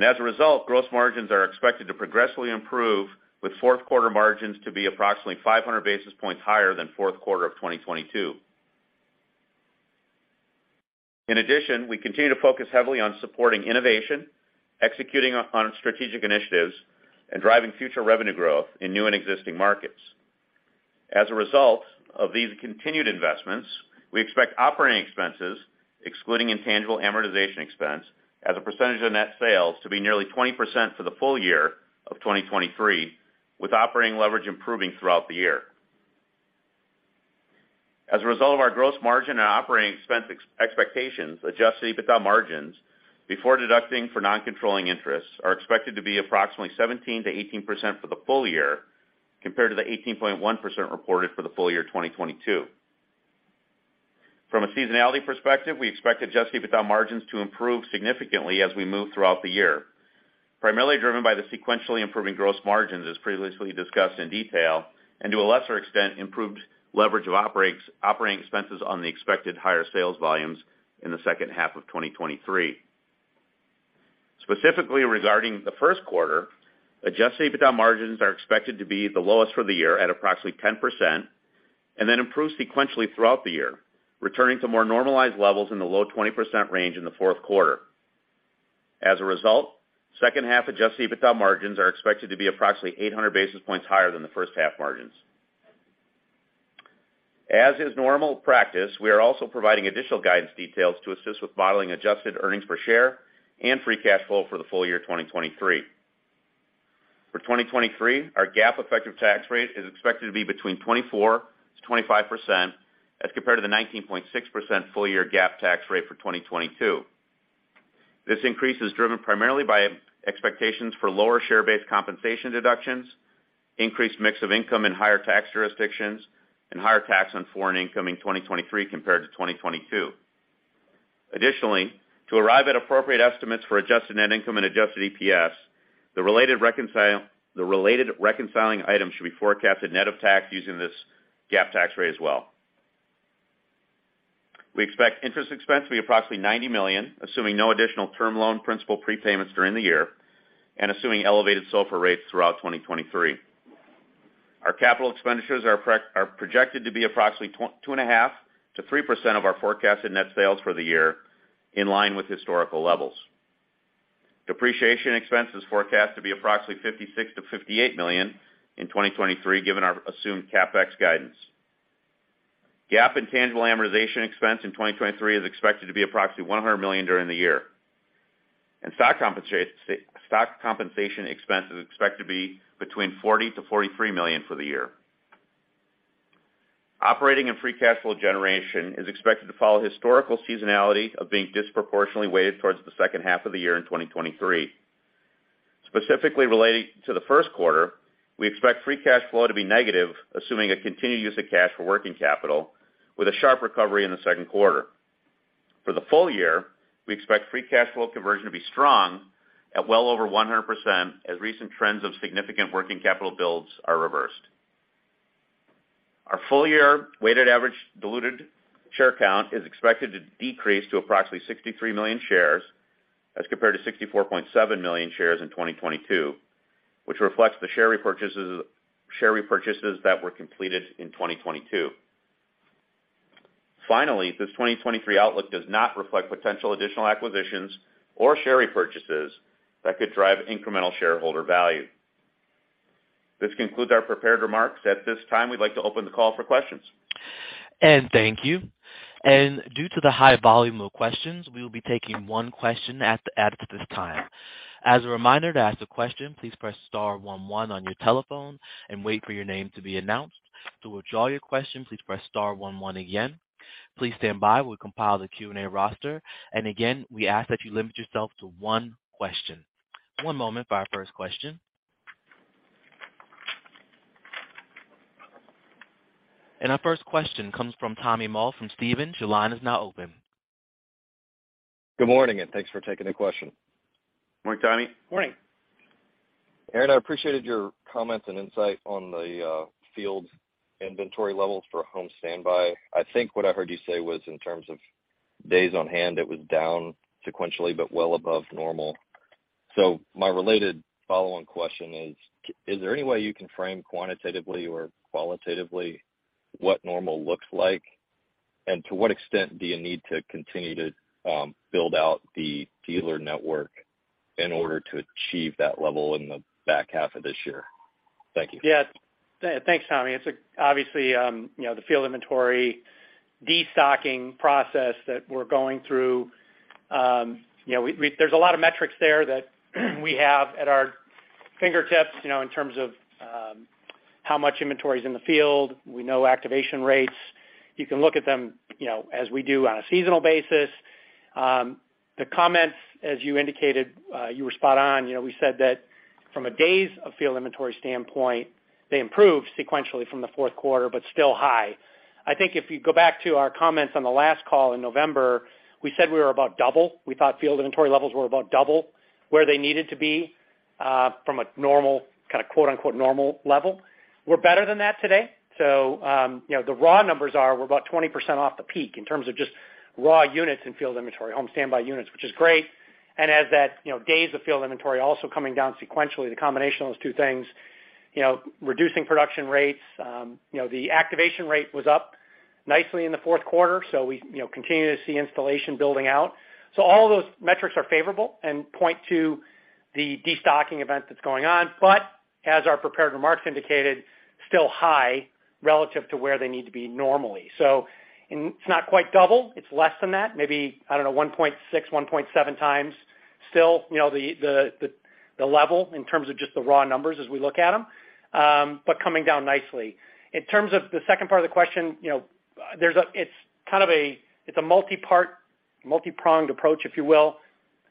As a result, gross margins are expected to progressively improve, with 4th quarter margins to be approximately 500 basis points higher than 4th quarter of 2022. In addition, we continue to focus heavily on supporting innovation, executing on strategic initiatives, and driving future revenue growth in new and existing markets. As a result of these continued investments, we expect operating expenses, excluding intangible amortization expense, as a percentage of net sales, to be nearly 20% for the full year of 2023, with operating leverage improving throughout the year. As a result of our gross margin and operating expense expectations, adjusted EBITDA margins before deducting for non-controlling interests are expected to be approximately 17%-18% for the full year compared to the 18.1% reported for the full year 2022. From a seasonality perspective, we expect adjusted EBITDA margins to improve significantly as we move throughout the year, primarily driven by the sequentially improving gross margins as previously discussed in detail, and to a lesser extent, improved leverage of operating expenses on the expected higher sales volumes in the second half of 2023. Specifically regarding the 1st quarter, adjusted EBITDA margins are expected to be the lowest for the year at approximately 10% and then improve sequentially throughout the year, returning to more normalized levels in the low 20% range in the 4th quarter. As a result, second half adjusted EBITDA margins are expected to be approximately 800 basis points higher than the first half margins. As is normal practice, we are also providing additional guidance details to assist with modeling adjusted earnings per share and free cash flow for the full year 2023. For 2023, our GAAP effective tax rate is expected to be between 24%-25% as compared to the 19.6% full year GAAP tax rate for 2022. This increase is driven primarily by expectations for lower share-based compensation deductions, increased mix of income in higher tax jurisdictions, and higher tax on foreign income in 2023 compared to 2022. Additionally, to arrive at appropriate estimates for adjusted net income and adjusted EPS, the related reconciling items should be forecasted net of tax using this GAAP tax rate as well. We expect interest expense to be approximately $90 million, assuming no additional term loan principal prepayments during the year and assuming elevated SOFR rates throughout 2023. Our capital expenditures are projected to be approximately 2.5%-3% of our forecasted net sales for the year, in line with historical levels. Depreciation expense is forecast to be approximately $56 million-$58 million in 2023, given our assumed CapEx guidance. GAAP intangible amortization expense in 2023 is expected to be approximately $100 million during the year. Stock compensation expense is expected to be between $40 million-$43 million for the year. Operating and free cash flow generation is expected to follow historical seasonality of being disproportionately weighted towards the second half of the year in 2023. Specifically relating to the 1st quarter, we expect free cash flow to be negative, assuming a continued use of cash for working capital, with a sharp recovery in the 2nd quarter. For the full year, we expect free cash flow conversion to be strong at well over 100%, as recent trends of significant working capital builds are reversed. Our full-year weighted average diluted share count is expected to decrease to approximately 63 million shares as compared to 64.7 million shares in 2022, which reflects the share repurchases that were completed in 2022. Finally, this 2023 outlook does not reflect potential additional acquisitions or share repurchases that could drive incremental shareholder value. This concludes our prepared remarks. At this time, we'd like to open the call for questions. Thank you. Due to the high volume of questions, we will be taking one question at this time. As a reminder, to ask a question, please press star one one on your telephone and wait for your name to be announced. To withdraw your question, please press star one one again. Please stand by. We'll compile the Q&A roster. Again, we ask that you limit yourself to one question. One moment for our first question. Our first question comes from Tommy Moll from Stephens. Your line is now open. Good morning, thanks for taking the question. Morning, Tommy. Morning. Aaron, I appreciated your comments and insight on the field inventory levels for home standby. I think what I heard you say was in terms of days on hand, it was down sequentially but well above normal. My related follow-on question is there any way you can frame quantitatively or qualitatively what normal looks like? To what extent do you need to continue to build out the dealer network in order to achieve that level in the back half of this year? Thank you. Yeah. Thanks, Tommy. It's obviously, you know, the field inventory destocking process that we're going through, you know, there's a lot of metrics there that we have at our fingertips, you know, in terms of how much inventory is in the field. We know activation rates. You can look at them, you know, as we do on a seasonal basis. The comments, as you indicated, you were spot on. You know, we said that from a days of field inventory standpoint, they improved sequentially from the 4th quarter, but still high. I think if you go back to our comments on the last call in November, we said we were about double. We thought field inventory levels were about double where they needed to be from a normal kind of quote, unquote, normal level. We're better than that today. You know, the raw numbers are we're about 20% off the peak in terms of just raw units in field inventory, home standby units, which is great. As that, you know, days of field inventory also coming down sequentially, the combination of those two things, you know, reducing production rates, you know, the activation rate was up nicely in the 4th quarter. We, you know, continue to see installation building out. All of those metrics are favorable and point to the destocking event that's going on. As our prepared remarks indicated, still high relative to where they need to be normally. It's not quite double. It's less than that. Maybe, I don't know, 1.6, 1.7 times still, you know, the, the level in terms of just the raw numbers as we look at them, but coming down nicely. In terms of the second part of the question, you know, it's kind of a multipart, multi-pronged approach, if you will.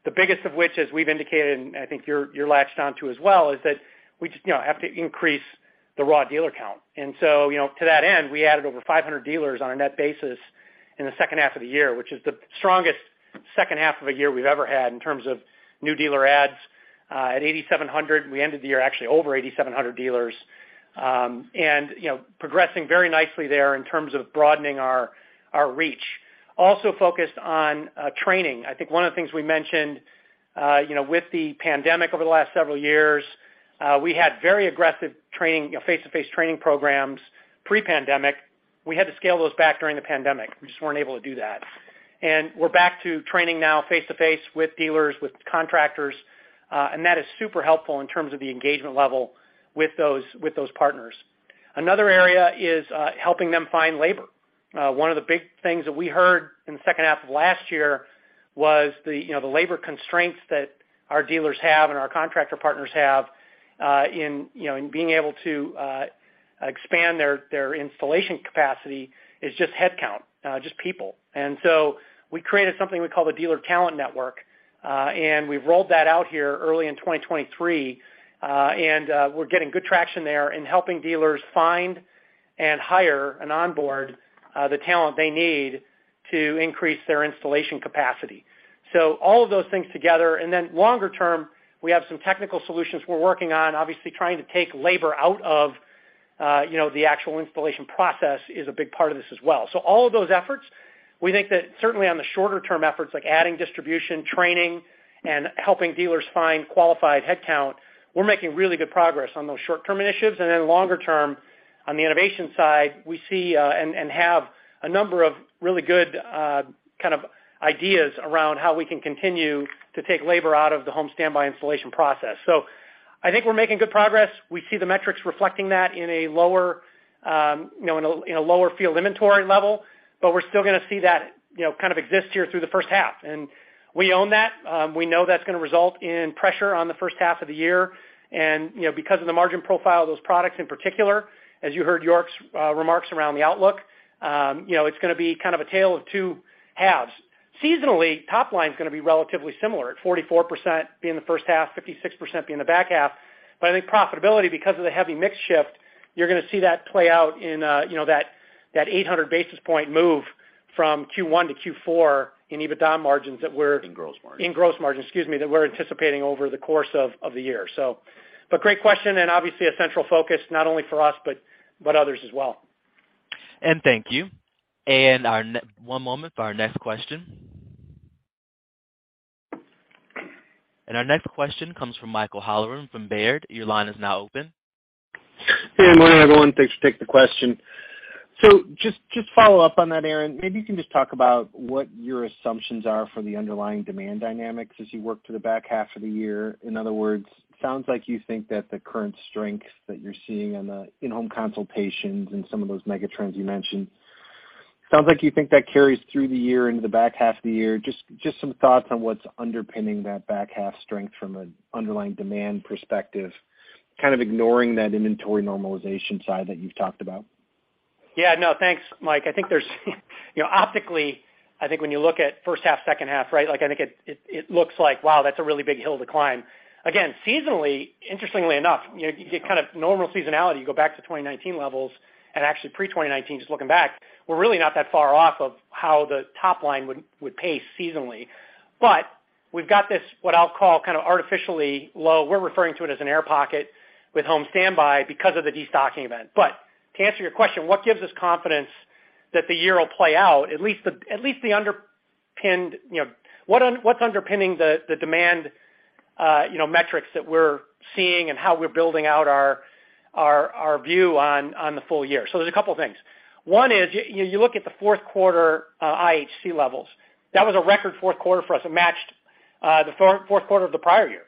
The biggest of which, as we've indicated, and I think you're latched onto as well, is that we just, you know, have to increase the raw dealer count. To that end, we added over 500 dealers on a net basis in the second half of the year, which is the strongest second half of a year we've ever had in terms of new dealer adds, at 8,700. We ended the year actually over 8,700 dealers, you know, progressing very nicely there in terms of broadening our reach. Also focused on training. I think one of the things we mentioned, you know, with the pandemic over the last several years, we had very aggressive training, you know, face-to-face training programs pre-pandemic. We had to scale those back during the pandemic. We just weren't able to do that. We're back to training now face-to-face with dealers, with contractors, and that is super helpful in terms of the engagement level with those partners. Another area is helping them find labor. One of the big things that we heard in the second half of last year was the, you know, the labor constraints that our dealers have and our contractor partners have, in, you know, in being able to expand their installation capacity is just headcount, just people. We created something we call the Dealer Talent Network, and we've rolled that out here early in 2023. We're getting good traction there in helping dealers find and hire and onboard the talent they need to increase their installation capacity. All of those things together. Longer term, we have some technical solutions we're working on. Obviously, trying to take labor out of, you know, the actual installation process is a big part of this as well. All of those efforts, we think that certainly on the shorter-term efforts like adding distribution, training, and helping dealers find qualified headcount, we're making really good progress on those short-term initiatives. Longer-term, on the innovation side, we see and have a number of really good kind of ideas around how we can continue to take labor out of the home standby installation process. I think we're making good progress. We see the metrics reflecting that in a lower, you know, in a lower field inventory level, but we're still gonna see that, you know, kind of exist here through the first half. We own that. We know that's gonna result in pressure on the first half of the year. You know, because of the margin profile of those products in particular, as you heard York's remarks around the outlook, you know, it's gonna be kind of a tale of two halves. Seasonally, top line's gonna be relatively similar at 44% being the first half, 56% being the back half. I think profitability, because of the heavy mix shift, you're gonna see that play out in, you know, that 800 basis point move from Q1 to Q4 in EBITDA margins that we're. In gross margin. In gross margin, excuse me, that we're anticipating over the course of the year. Great question and obviously a central focus not only for us, but others as well. Thank you. Our one moment for our next question. Our next question comes from Michael Halloran from Baird. Your line is now open. Hey, good morning, everyone. Thanks. Take the question. Just follow up on that, Aaron. Maybe you can just talk about what your assumptions are for the underlying demand dynamics as you work through the back half of the year. In other words, sounds like you think that the current strength that you're seeing on the in-home consultations and some of those megatrends you mentioned, sounds like you think that carries through the year into the back half of the year. Just some thoughts on what's underpinning that back half strength from an underlying demand perspective, kind of ignoring that inventory normalization side that you've talked about. Yeah, no, thanks, Mike. I think there's you know, optically, I think when you look at first half, second half, right, like, I think it looks like, wow, that's a really big hill to climb. Again, seasonally, interestingly enough, you get kind of normal seasonality. You go back to 2019 levels and actually pre-2019, just looking back, we're really not that far off of how the top line would pace seasonally. We've got this, what I'll call kind of artificially low. We're referring to it as an air pocket with Home Standby because of the destocking event. To answer your question, what gives us confidence that the year will play out, at least the underpinned, you know. What's underpinning the demand, you know, metrics that we're seeing and how we're building out our view on the full year? There's a couple things. One is you look at the 4th quarter, IHC levels. That was a record 4th quarter for us. It matched the 4th quarter of the prior year.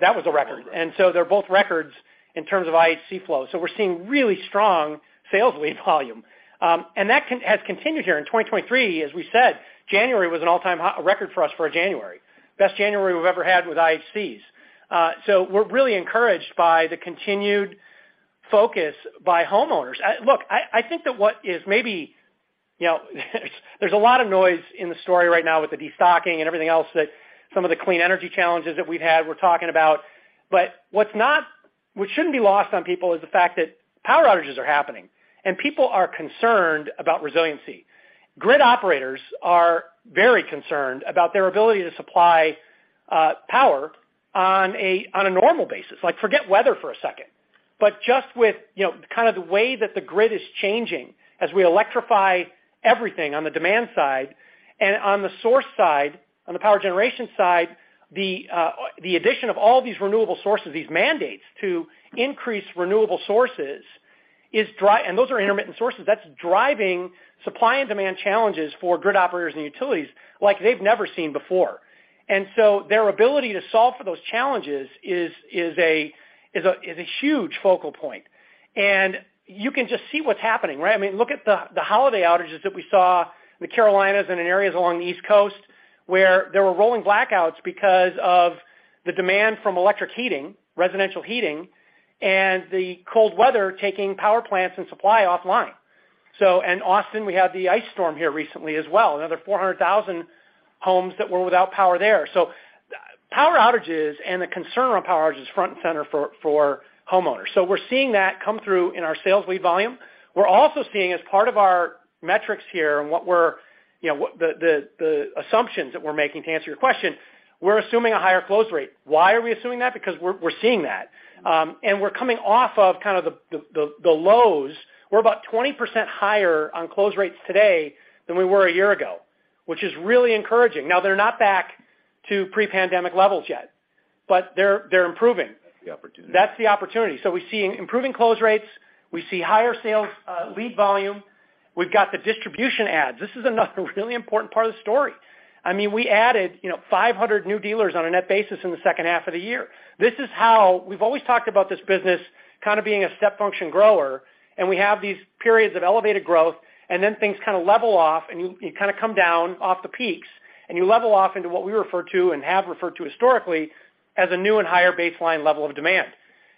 That was a record. They're both records in terms of IHC flow. We're seeing really strong sales lead volume. That has continued here in 2023. As we said, January was an all-time record for us for a January. Best January we've ever had with IHCs. We're really encouraged by the continued focus by homeowners. Look, I think that what is maybe, you know, there's a lot of noise in the story right now with the destocking and everything else that some of the clean energy challenges that we've had, we're talking about, but what shouldn't be lost on people is the fact that power outages are happening, and people are concerned about resiliency. Grid operators are very concerned about their ability to supply power on a, on a normal basis. Like, forget weather for a second, but just with, you know, kind of the way that the grid is changing as we electrify everything on the demand side and on the source side, on the power generation side, the addition of all these renewable sources, these mandates to increase renewable sources, and those are intermittent sources, that's driving supply and demand challenges for grid operators and utilities like they've never seen before. So their ability to solve for those challenges is a huge focal point. You can just see what's happening, right? I mean, look at the holiday outages that we saw in the Carolinas and in areas along the East Coast, where there were rolling blackouts because of the demand from electric heating, residential heating, and the cold weather taking power plants and supply offline. In Austin, we had the ice storm here recently as well, another 400,000 homes that were without power there. Power outages and the concern around power outages front and center for homeowners. We're seeing that come through in our sales lead volume. We're also seeing as part of our metrics here and what we're, you know, what the assumptions that we're making to answer your question, we're assuming a higher close rate. Why are we assuming that? Because we're seeing that. And we're coming off of kind of the lows. We're about 20% higher on close rates today than we were a year ago, which is really encouraging. Now, they're not back to pre-pandemic levels yet. But they're improving. That's the opportunity. That's the opportunity. We're seeing improving close rates. We see higher sales, lead volume. We've got the distribution ads. This is another really important part of the story. I mean, we added, you know, 500 new dealers on a net basis in the second half of the year. This is how we've always talked about this business kind of being a step function grower, and we have these periods of elevated growth, and then things kind of level off, and you kind of come down off the peaks, and you level off into what we refer to and have referred to historically as a new and higher baseline level of demand.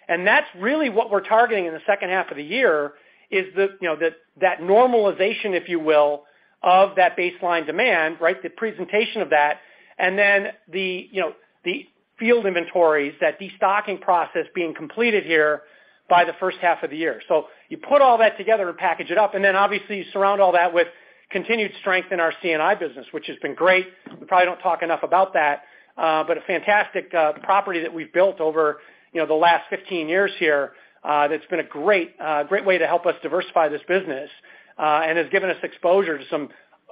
That's really what we're targeting in the second half of the year, is the, you know, that normalization, if you will, of that baseline demand, right? The presentation of that, and then the, you know, the field inventories, that destocking process being completed here by the first half of the year. You put all that together and package it up, and then obviously you surround all that with continued strength in our C&I business, which has been great. We probably don't talk enough about that. A fantastic property that we've built over, you know, the last 15 years here, that's been a great way to help us diversify this business, and has given us exposure to some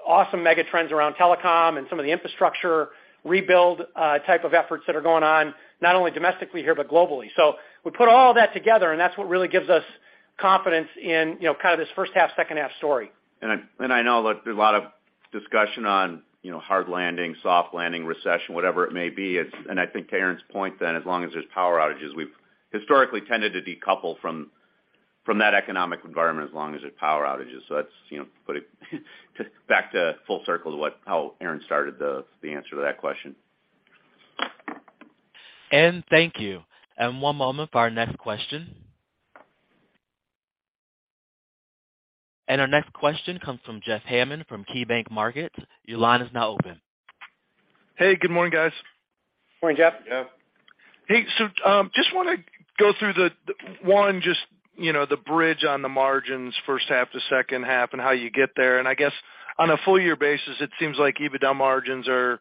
awesome mega trends around telecom and some of the infrastructure rebuild, type of efforts that are going on, not only domestically here but globally. We put all that together, and that's what really gives us confidence in, you know, kind of this first half, second half story. I know there's a lot of discussion on, you know, hard landing, soft landing, recession, whatever it may be. I think to Aaron's point then, as long as there's power outages, we've historically tended to decouple from that economic environment as long as there's power outages. That's, you know, put it back to full circle to how Aaron started the answer to that question. Thank you. One moment for our next question. Our next question comes from Jeff Hammond from KeyBanc Market. Your line is now open. Hey, good morning, guys. Morning, Jeff. Jeff. Hey, so, just wanna go through the one, just, you know, the bridge on the margins first half to second half and how you get there. I guess on a full year basis, it seems like EBITDA margins are,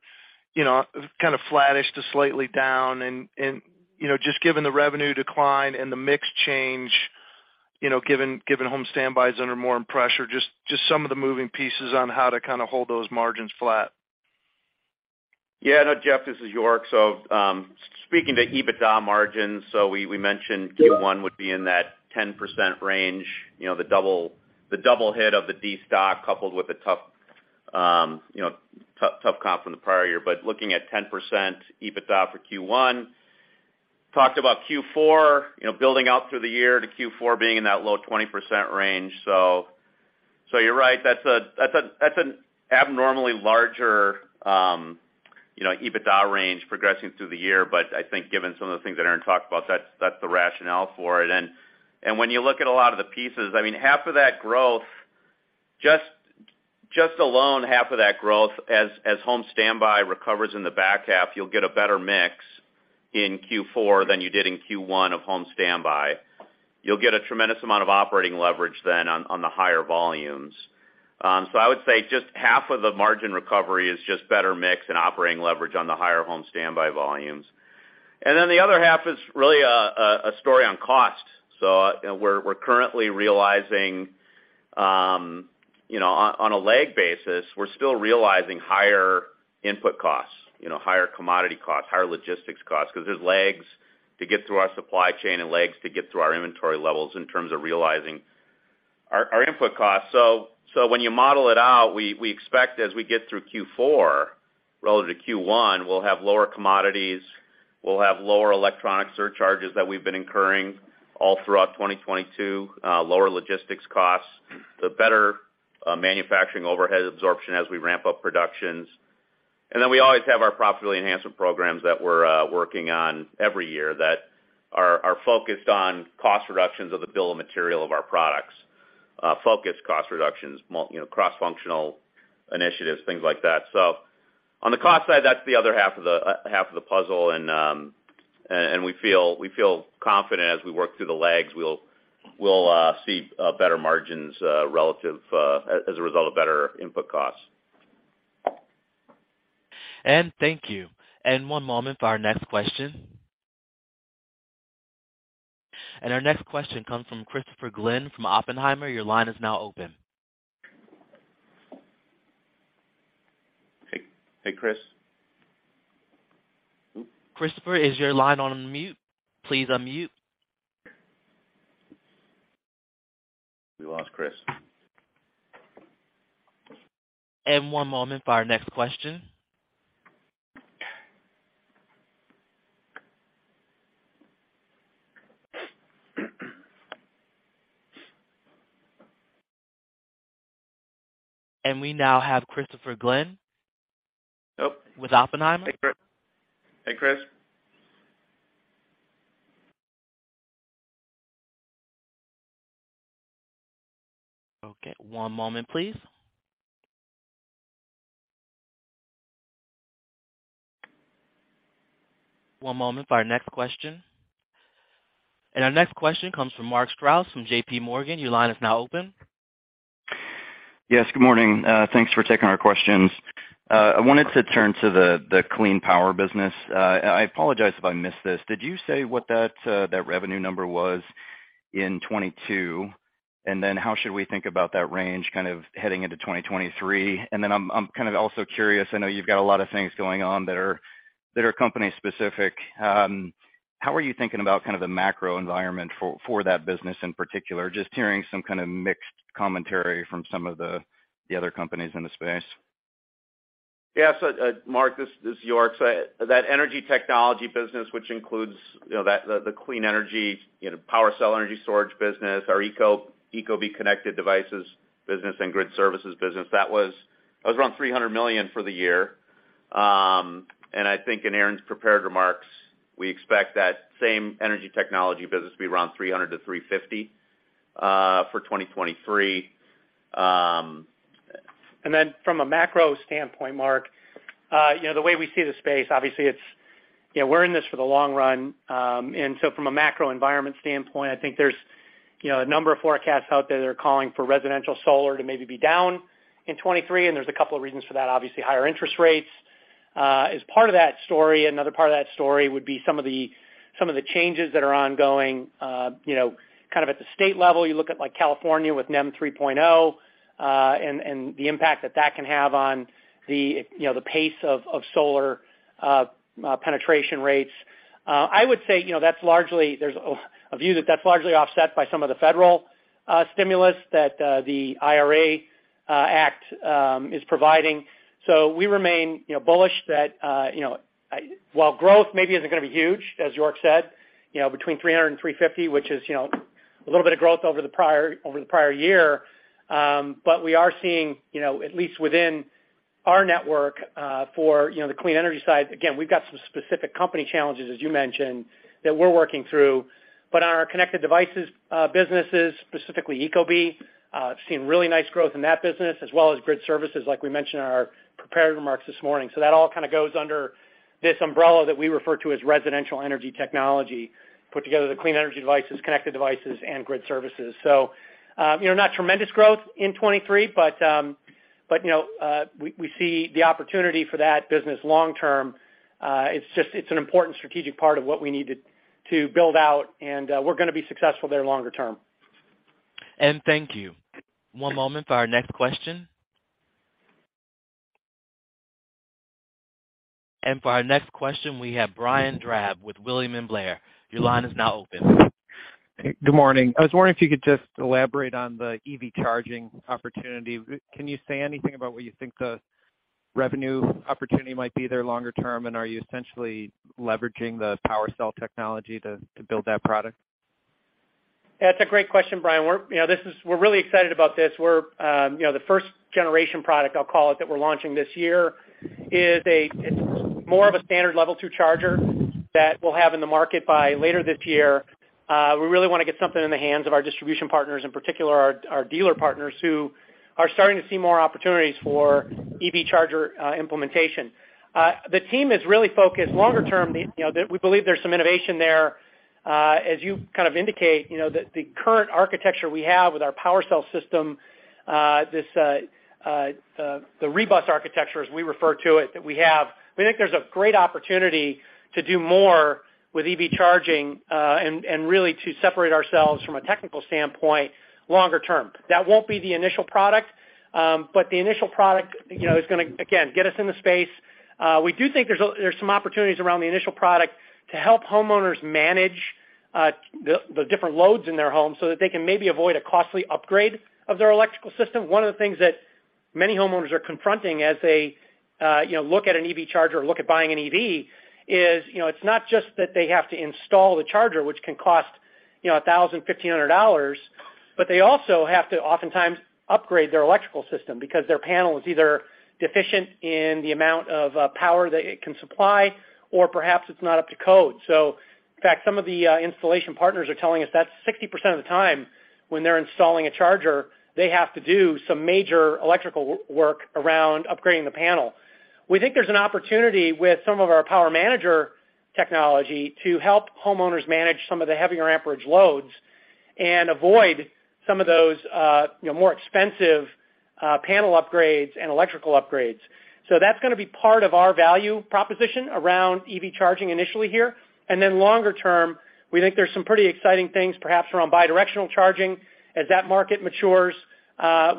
you know, kind of flattish to slightly down and, you know, just given the revenue decline and the mix change, you know, given home standbys under more pressure, just some of the moving pieces on how to kind of hold those margins flat. Yeah, no, Jeff, this is York. Speaking to EBITDA margins, so we mentioned- Yep. Q1 would be in that 10% range, you know, the double hit of the destock coupled with a tough comp from the prior year. Looking at 10% EBITDA for Q1, talked about Q4, you know, building out through the year to Q4 being in that low 20% range. You're right, that's an abnormally larger, you know, EBITDA range progressing through the year. I think given some of the things that Aaron talked about, that's the rationale for it. When you look at a lot of the pieces, I mean, half of that growth, just alone, half of that growth as home standby recovers in the back half, you'll get a better mix in Q4 than you did in Q1 of home standby. You'll get a tremendous amount of operating leverage then on the higher volumes. I would say just half of the margin recovery is just better mix and operating leverage on the higher home standby volumes. The other half is really a story on cost. You know, we're currently realizing, you know, on a lag basis, we're still realizing higher input costs, you know, higher commodity costs, higher logistics costs, because there's lags to get through our supply chain and lags to get through our inventory levels in terms of realizing our input costs. When you model it out, we expect as we get through Q4 relative to Q1, we'll have lower commodities, we'll have lower electronic surcharges that we've been incurring all throughout 2022, lower logistics costs, the better manufacturing overhead absorption as we ramp up productions. We always have our profitability enhancement programs that we're working on every year that are focused on cost reductions of the bill of material of our products, focused cost reductions, you know, cross-functional initiatives, things like that. On the cost side, that's the other half of the half of the puzzle. We feel confident as we work through the lags, we'll see better margins, relative as a result of better input costs. Thank you. One moment for our next question. Our next question comes from Christopher Glynn from Oppenheimer. Your line is now open. Hey. Hey, Chris. Christopher, is your line on mute? Please unmute. We lost Chris. One moment for our next question. We now have Christopher Glynn. Oh. With Oppenheimer. Hey, Chris. Hey, Chris. Okay. One moment, please. One moment for our next question. Our next question comes from Mark Strouse from JPMorgan. Your line is now open. Yes, good morning. Thanks for taking our questions. I wanted to turn to the clean power business. I apologize if I missed this. Did you say what that revenue number was? In 2022. How should we think about that range kind of heading into 2023? I'm kind of also curious, I know you've got a lot of things going on that are company specific. How are you thinking about kind of the macro environment for that business in particular? Just hearing some kind of mixed commentary from some of the other companies in the space. Yeah. Mark, this is York. That energy technology business, which includes the clean energy, PWRcell energy storage business, our ecobee connected devices business and Grid Services business, that was around $300 million for the year. I think in Aaron's prepared remarks, we expect that same energy technology business to be around $300 million-$350 million for 2023. From a macro standpoint, Mark, you know, the way we see the space, obviously it's, you know, we're in this for the long run. From a macro environment standpoint, I think there's, you know, a number of forecasts out there that are calling for residential solar to maybe be down in 2023, and there's a couple of reasons for that. Obviously, higher interest rates as part of that story. Another part of that story would be some of the changes that are ongoing, you know, kind of at the state level. You look at like California with NEM 3.0 and the impact that that can have on the, you know, the pace of solar penetration rates. I would say, you know, that's largely there's a view that that's largely offset by some of the federal stimulus that the IRA Act is providing. We remain, you know, bullish that, you know, while growth maybe isn't gonna be huge, as York said, you know, between $300 million and $350 million, which is, you know, a little bit of growth over the prior year. We are seeing, you know, at least within our network, for, you know, the clean energy side. We've got some specific company challenges, as you mentioned, that we're working through. On our connected devices businesses, specifically ecobee, seeing really nice growth in that business as well as Grid Services, like we mentioned in our prepared remarks this morning. That all kind of goes under this umbrella that we refer to as residential energy technology, put together the clean energy devices, connected devices and Grid Services. You know, not tremendous growth in 2023, but, you know, we see the opportunity for that business long term. It's just an important strategic part of what we need to build out, and we're gonna be successful there longer term. Thank you. One moment for our next question. For our next question, we have Brian Drab with William Blair. Your line is now open. Good morning. I was wondering if you could just elaborate on the EV charging opportunity. Can you say anything about what you think the revenue opportunity might be there longer term, and are you essentially leveraging the PWRcell technology to build that product? Yeah, it's a great question, Brian. You know, this is We're really excited about this. We're, you know, the first generation product, I'll call it, that we're launching this year is It's more of a standard level two charger that we'll have in the market by later this year. We really wanna get something in the hands of our distribution partners, in particular our dealer partners, who are starting to see more opportunities for EV charger implementation. The team is really focused longer term. You know, We believe there's some innovation there. As you kind of indicate, you know, the current architecture we have with our PWRcell system, this the REbus architecture, as we refer to it, that we have. We think there's a great opportunity to do more with EV charging, and really to separate ourselves from a technical standpoint longer term. That won't be the initial product, but the initial product, you know, is gonna again get us in the space. We do think there's some opportunities around the initial product to help homeowners manage the different loads in their home so that they can maybe avoid a costly upgrade of their electrical system. One of the things that many homeowners are confronting as they, you know, look at an EV charger or look at buying an EV is, you know, it's not just that they have to install the charger, which can cost, you know, $1,000-$1,500, but they also have to oftentimes upgrade their electrical system because their panel is either deficient in the amount of power that it can supply or perhaps it's not up to code. In fact, some of the installation partners are telling us that 60% of the time when they're installing a charger, they have to do some major electrical work around upgrading the panel. We think there's an opportunity with some of our power manager technology to help homeowners manage some of the heavier amperage loads and avoid some of those, you know, more expensive, panel upgrades and electrical upgrades. That's gonna be part of our value proposition around EV charging initially here. Longer term, we think there's some pretty exciting things perhaps around bidirectional charging. As that market matures,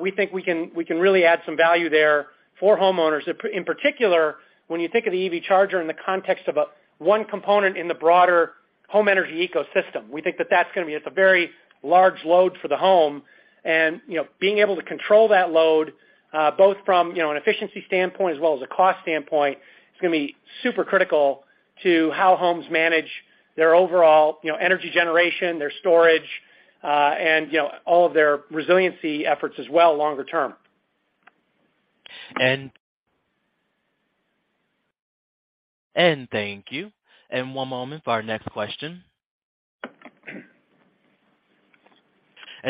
we think we can really add some value there for homeowners. In particular, when you think of the EV charger in the context of a one component in the broader home energy ecosystem, we think that that's gonna be at the very large load for the home. You know, being able to control that load, both from, you know, an efficiency standpoint as well as a cost standpoint, it's gonna be super critical to how homes manage their overall, you know, energy generation, their storage, and you know, all of their resiliency efforts as well longer term. Thank you. One moment for our next question.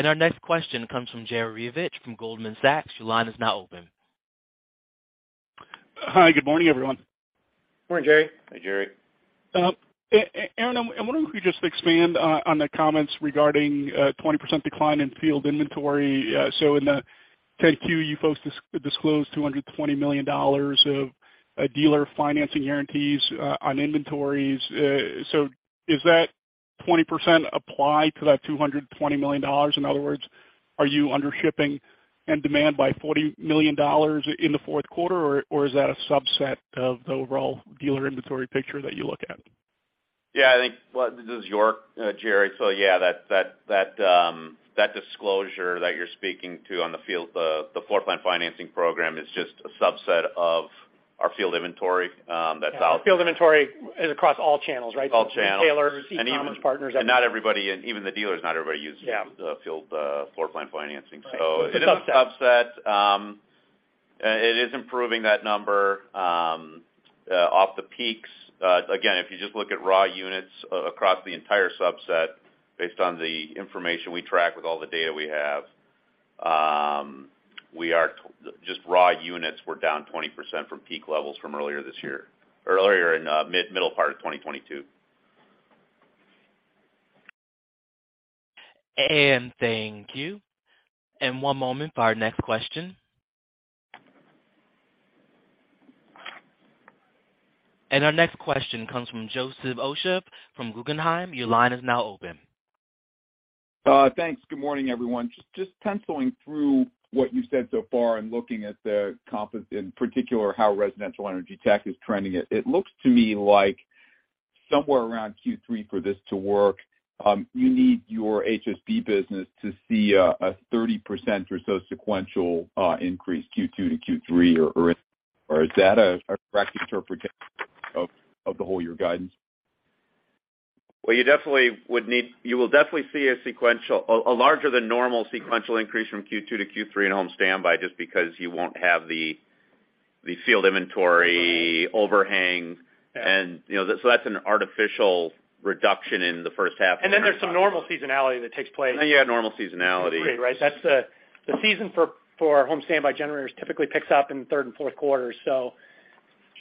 Our next question comes from Jerry Revich from Goldman Sachs. Your line is now open. Hi. Good morning, everyone. Morning, Jerry. Hi, Jerry. Aaron, I wonder if you could just expand on the comments regarding 20% decline in field inventory. In the 10-Q, you folks disclosed $220 million of dealer financing guarantees on inventories. Is that 20% apply to that $220 million? In other words, are you under shipping and demand by $40 million in the 4th quarter? Or is that a subset of the overall dealer inventory picture that you look at? Yeah, I think well this is York, Jerry. Yeah, that disclosure that you're speaking to on the field, the floor plan financing program is just a subset of our field inventory, that's out- Yeah. Field inventory is across all channels, right? All channels. Retailers, e-commerce partners. Not everybody, and even the dealers, not everybody. Yeah. The field, floor plan financing. Right. It's a subset. It is a subset. It is improving that number off the peaks. Again, if you just look at raw units across the entire subset, based on the information we track with all the data we have, just raw units were down 20% from peak levels from earlier this year. Earlier in mid-middle part of 2022. Thank you. One moment for our next question. Our next question comes from Joseph Osha from Guggenheim. Your line is now open. Thanks. Good morning, everyone. Just penciling through what you've said so far and looking at the comp in particular how residential energy tech is trending, it looks to me like somewhere around Q3 for this to work, you need your HSB business to see a 30% or so sequential increase Q2 to Q3 or is that a correct interpretation of the whole year guidance? Well, you will definitely see a larger than normal sequential increase from Q2 to Q3 in home standby just because you won't have the field inventory overhang. Yeah. You know, that's an artificial reduction in the first half. There's some normal seasonality that takes place. Yeah, normal seasonality. Right. That's the season for home standby generators typically picks up in third and 4th quarter, so.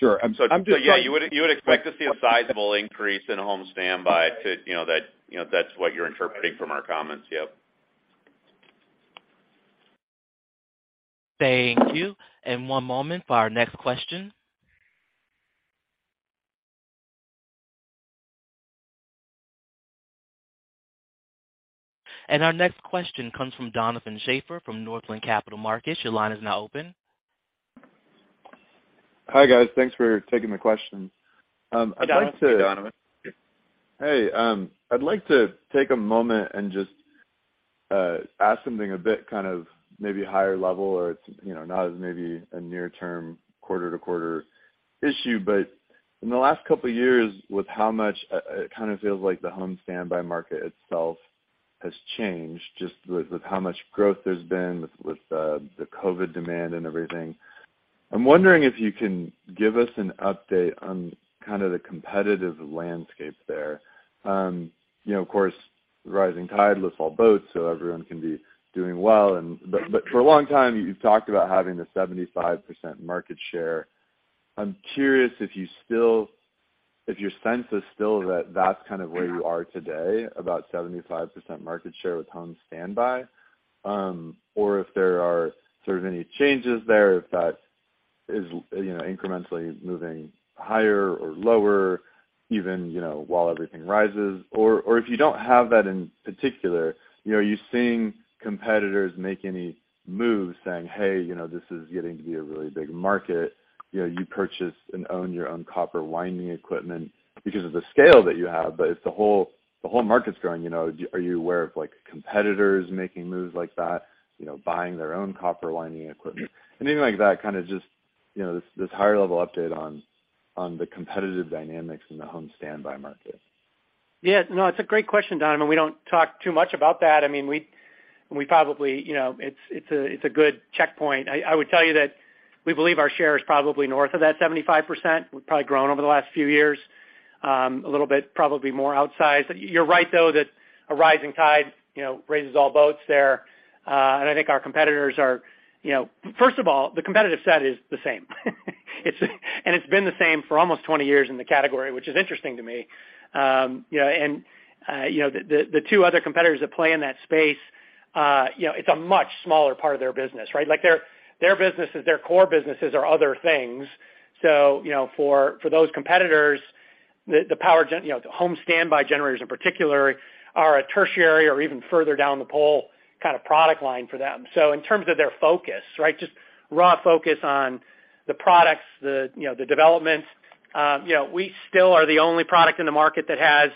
Sure. I'm. Yeah. You would expect to see a sizable increase in Home Standby to, you know, that, you know, that's what you're interpreting from our comments. Yep. Thank you. One moment for our next question. Our next question comes from Donovan Schafer from Northland Capital Markets. Your line is now open. Hi, guys. Thanks for taking the questions. Hi, Donovan. Hey, I'd like to take a moment and just ask something a bit kind of maybe higher level, or it's, you know, not as maybe a near-term quarter-to-quarter issue. In the last couple of years, with how much it kind of feels like the home standby market itself has changed just with how much growth there's been with the COVID demand and everything. I'm wondering if you can give us an update on kind of the competitive landscape there. You know, of course, rising tide lifts all boats, so everyone can be doing well. But for a long time, you've talked about having the 75% market share. I'm curious if your sense is still that that's kind of where you are today, about 75% market share with home standby, or if there are sort of any changes there, if that is, you know, incrementally moving higher or lower even, you know, while everything rises. If you don't have that in particular, you know, are you seeing competitors make any moves saying, "Hey, you know, this is getting to be a really big market." You know, you purchase and own your own copper winding equipment because of the scale that you have. If the whole market's growing, you know, are you aware of, like, competitors making moves like that, you know, buying their own copper winding equipment? Anything like that, kind of just, you know, this higher level update on the competitive dynamics in the home standby market. Yeah. No, it's a great question, Donovan. We don't talk too much about that. I mean, we probably, you know, it's a good checkpoint. I would tell you that we believe our share is probably north of that 75%. We've probably grown over the last few years, a little bit, probably more outsized. You're right, though, that a rising tide, you know, raises all boats there. I think our competitors are, you know, First of all, the competitive set is the same. It's been the same for almost 20 years in the category, which is interesting to me. You know, the two other competitors that play in that space, you know, it's a much smaller part of their business, right? Like, their businesses, their core businesses are other things. You know, for those competitors, the home standby generators in particular are a tertiary or even further down the pole kind of product line for them. In terms of their focus, right, just raw focus on the products, the development, you know, we still are the only product in the market that has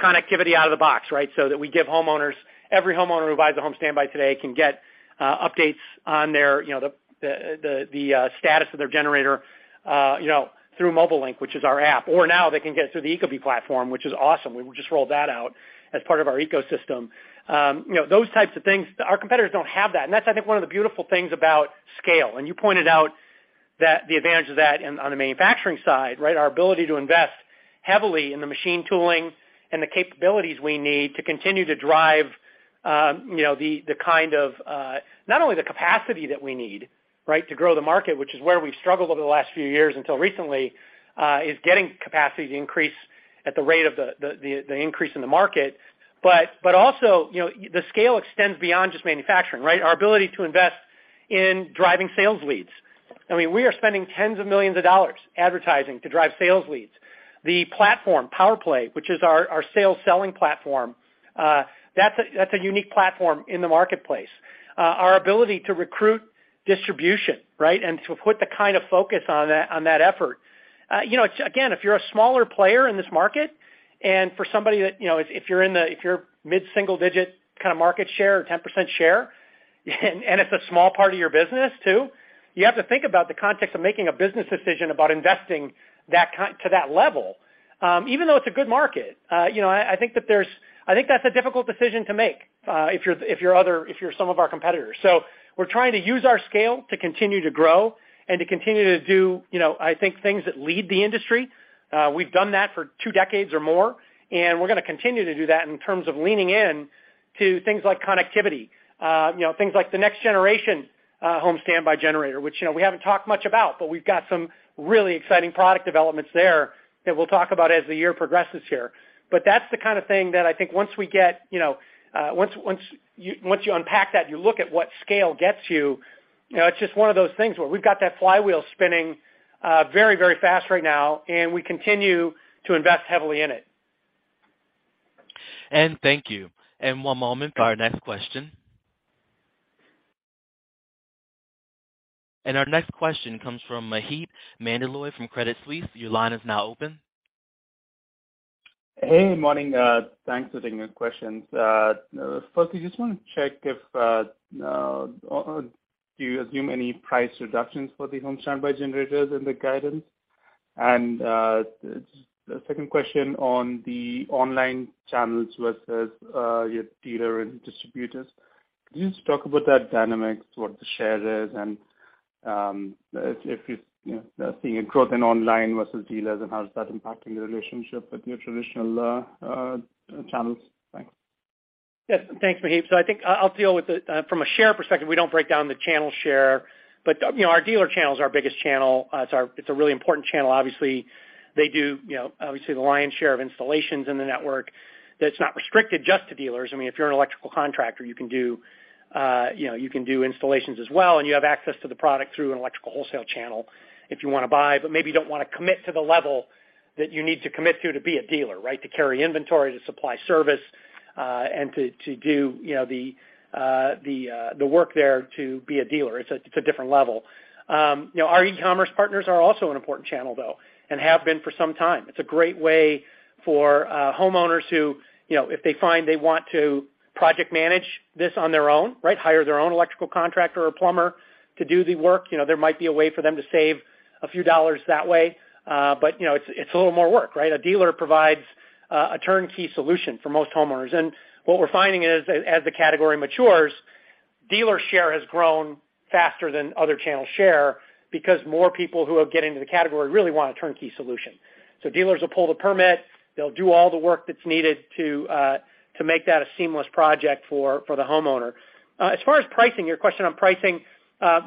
connectivity out of the box, right? That we give every homeowner who buys a home standby today can get updates on their, you know, the status of their generator, you know, through Mobile Link, which is our app. Now they can get it through the ecobee platform, which is awesome. We just rolled that out as part of our ecosystem. You know, those types of things our competitors don't have that. That's, I think, one of the beautiful things about scale. You pointed out that the advantage of that in-- on the manufacturing side, right? Our ability to invest heavily in the machine tooling and the capabilities we need to continue to drive, you know, the kind of not only the capacity that we need, right, to grow the market, which is where we've struggled over the last few years until recently, is getting capacity to increase at the rate of the increase in the market. Also, you know, the scale extends beyond just manufacturing, right? Our ability to invest in driving sales leads. I mean, we are spending tens of millions of dollars advertising to drive sales leads. The platform, PowerPlay, which is our sales selling platform, that's a unique platform in the marketplace. Our ability to recruit distribution, right? To put the kind of focus on that, on that effort. You know, again, if you're a smaller player in this market and for somebody that, you know, if you're mid-single digit kind of market share or 10% share, it's a small part of your business too, you have to think about the context of making a business decision about investing to that level, even though it's a good market. You know, I think that's a difficult decision to make, if you're some of our competitors. We're trying to use our scale to continue to grow and to continue to do, you know, I think things that lead the industry. We've done that for two decades or more, and we're gonna continue to do that in terms of leaning in to things like connectivity, you know, things like the next generation, home standby generator. Which, you know, we haven't talked much about, but we've got some really exciting product developments there that we'll talk about as the year progresses here. That's the kind of thing that I think once we get, you know, once you unpack that, you look at what scale gets you. You know, it's just one of those things where we've got that flywheel spinning, very, very fast right now, and we continue to invest heavily in it. Thank you. One moment for our next question. Our next question comes from Maheep Mandloi from Credit Suisse. Your line is now open. Hey, morning. Thanks for taking the questions. First, I just wanna check if do you assume any price reductions for the home standby generators in the guidance? The second question on the online channels versus your dealer and distributors. Can you just talk about that dynamics, what the share is, and if you know, seeing a growth in online versus dealers, and how is that impacting the relationship with your traditional channels? Thanks. Yes. Thanks, Maheep. I think I'll deal with from a share perspective, we don't break down the channel share. You know, our dealer channel is our biggest channel. It's a really important channel. Obviously, they do, you know, obviously the lion's share of installations in the network. That's not restricted just to dealers. I mean, if you're an electrical contractor, you can do, you know, you can do installations as well, and you have access to the product through an electrical wholesale channel if you wanna buy, but maybe you don't wanna commit to the level that you need to commit to to be a dealer, right? To carry inventory, to supply service, and to do, you know, the work there to be a dealer. It's a different level. You know, our e-commerce partners are also an important channel, though, and have been for some time. It's a great way for homeowners who, you know, if they find they want to project manage this on their own, right? Hire their own electrical contractor or plumber to do the work, you know, there might be a way for them to save a few dollars that way. You know, it's a little more work, right? A dealer provides a turnkey solution for most homeowners. What we're finding is, as the category matures, dealer share has grown faster than other channel share because more people who are getting into the category really want a turnkey solution. Dealers will pull the permit, they'll do all the work that's needed to make that a seamless project for the homeowner. As far as pricing, your question on pricing,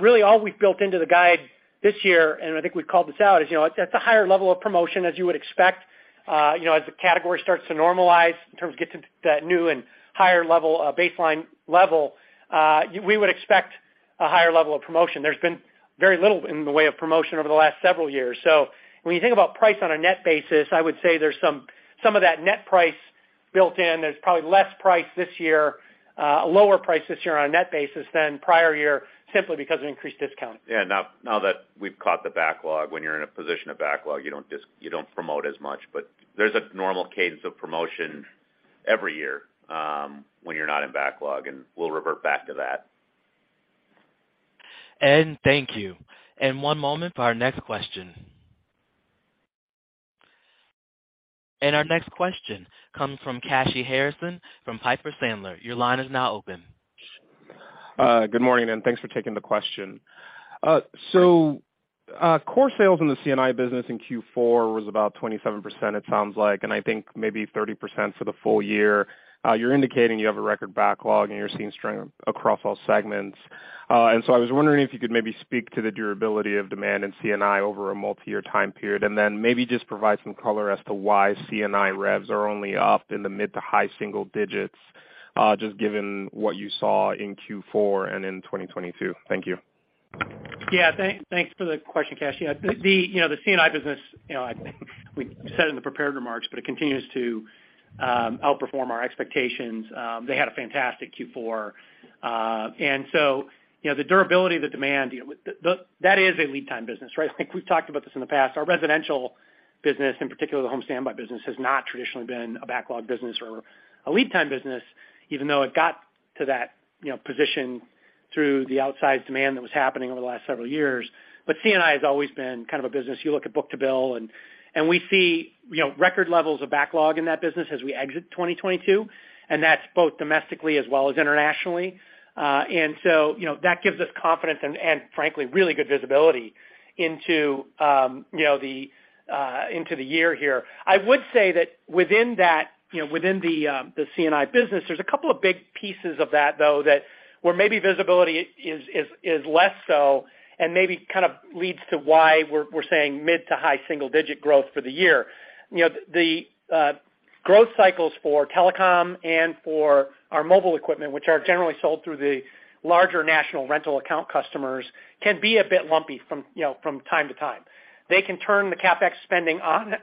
really all we've built into the guide this year, and I think we've called this out, is, you know, at the higher level of promotion, as you would expect, you know, as the category starts to normalize in terms of get to that new and higher level, baseline level, we would expect a higher level of promotion. There's been very little in the way of promotion over the last several years. When you think about price on a net basis, I would say there's some of that net price built in. There's probably less price this year, a lower price this year on a net basis than prior year simply because of increased discount. Yeah. Now that we've caught the backlog, when you're in a position of backlog, you don't promote as much. There's a normal cadence of promotion every year, when you're not in backlog, and we'll revert back to that. Thank you. One moment for our next question. Our next question comes from Kashy Harrison from Piper Sandler. Your line is now open. Good morning, thanks for taking the question. Core sales in the C&I business in Q4 was about 27%, it sounds like, I think maybe 30% for the full year. You're indicating you have a record backlog, you're seeing strength across all segments. I was wondering if you could maybe speak to the durability of demand in C&I over a multi-year time period, maybe just provide some color as to why C&I revs are only up in the mid to high single digits, just given what you saw in Q4 and in 2022. Thank you. Thanks for the question, Kashy. The, you know, the C&I business, you know, I think we said in the prepared remarks, but it continues to outperform our expectations. They had a fantastic Q4. You know, the durability of the demand, you know, that is a lead time business, right? Like, we've talked about this in the past. Our residential business, in particular the home standby business, has not traditionally been a backlog business or a lead time business, even though it got to that, you know, position through the outsized demand that was happening over the last several years. C&I has always been kind of a business, you look at book to bill, and we see, you know, record levels of backlog in that business as we exit 2022, and that's both domestically as well as internationally. You know, that gives us confidence and, frankly, really good visibility into, you know, the year here. I would say that within that, you know, within the C&I business, there's a couple of big pieces of that, though, that where maybe visibility is less so and maybe kind of leads to why we're saying mid to high single-digit growth for the year. You know, Growth cycles for telecom and for our mobile equipment, which are generally sold through the larger national rental account customers, can be a bit lumpy from, you know, from time to time. They can turn the CapEx spending on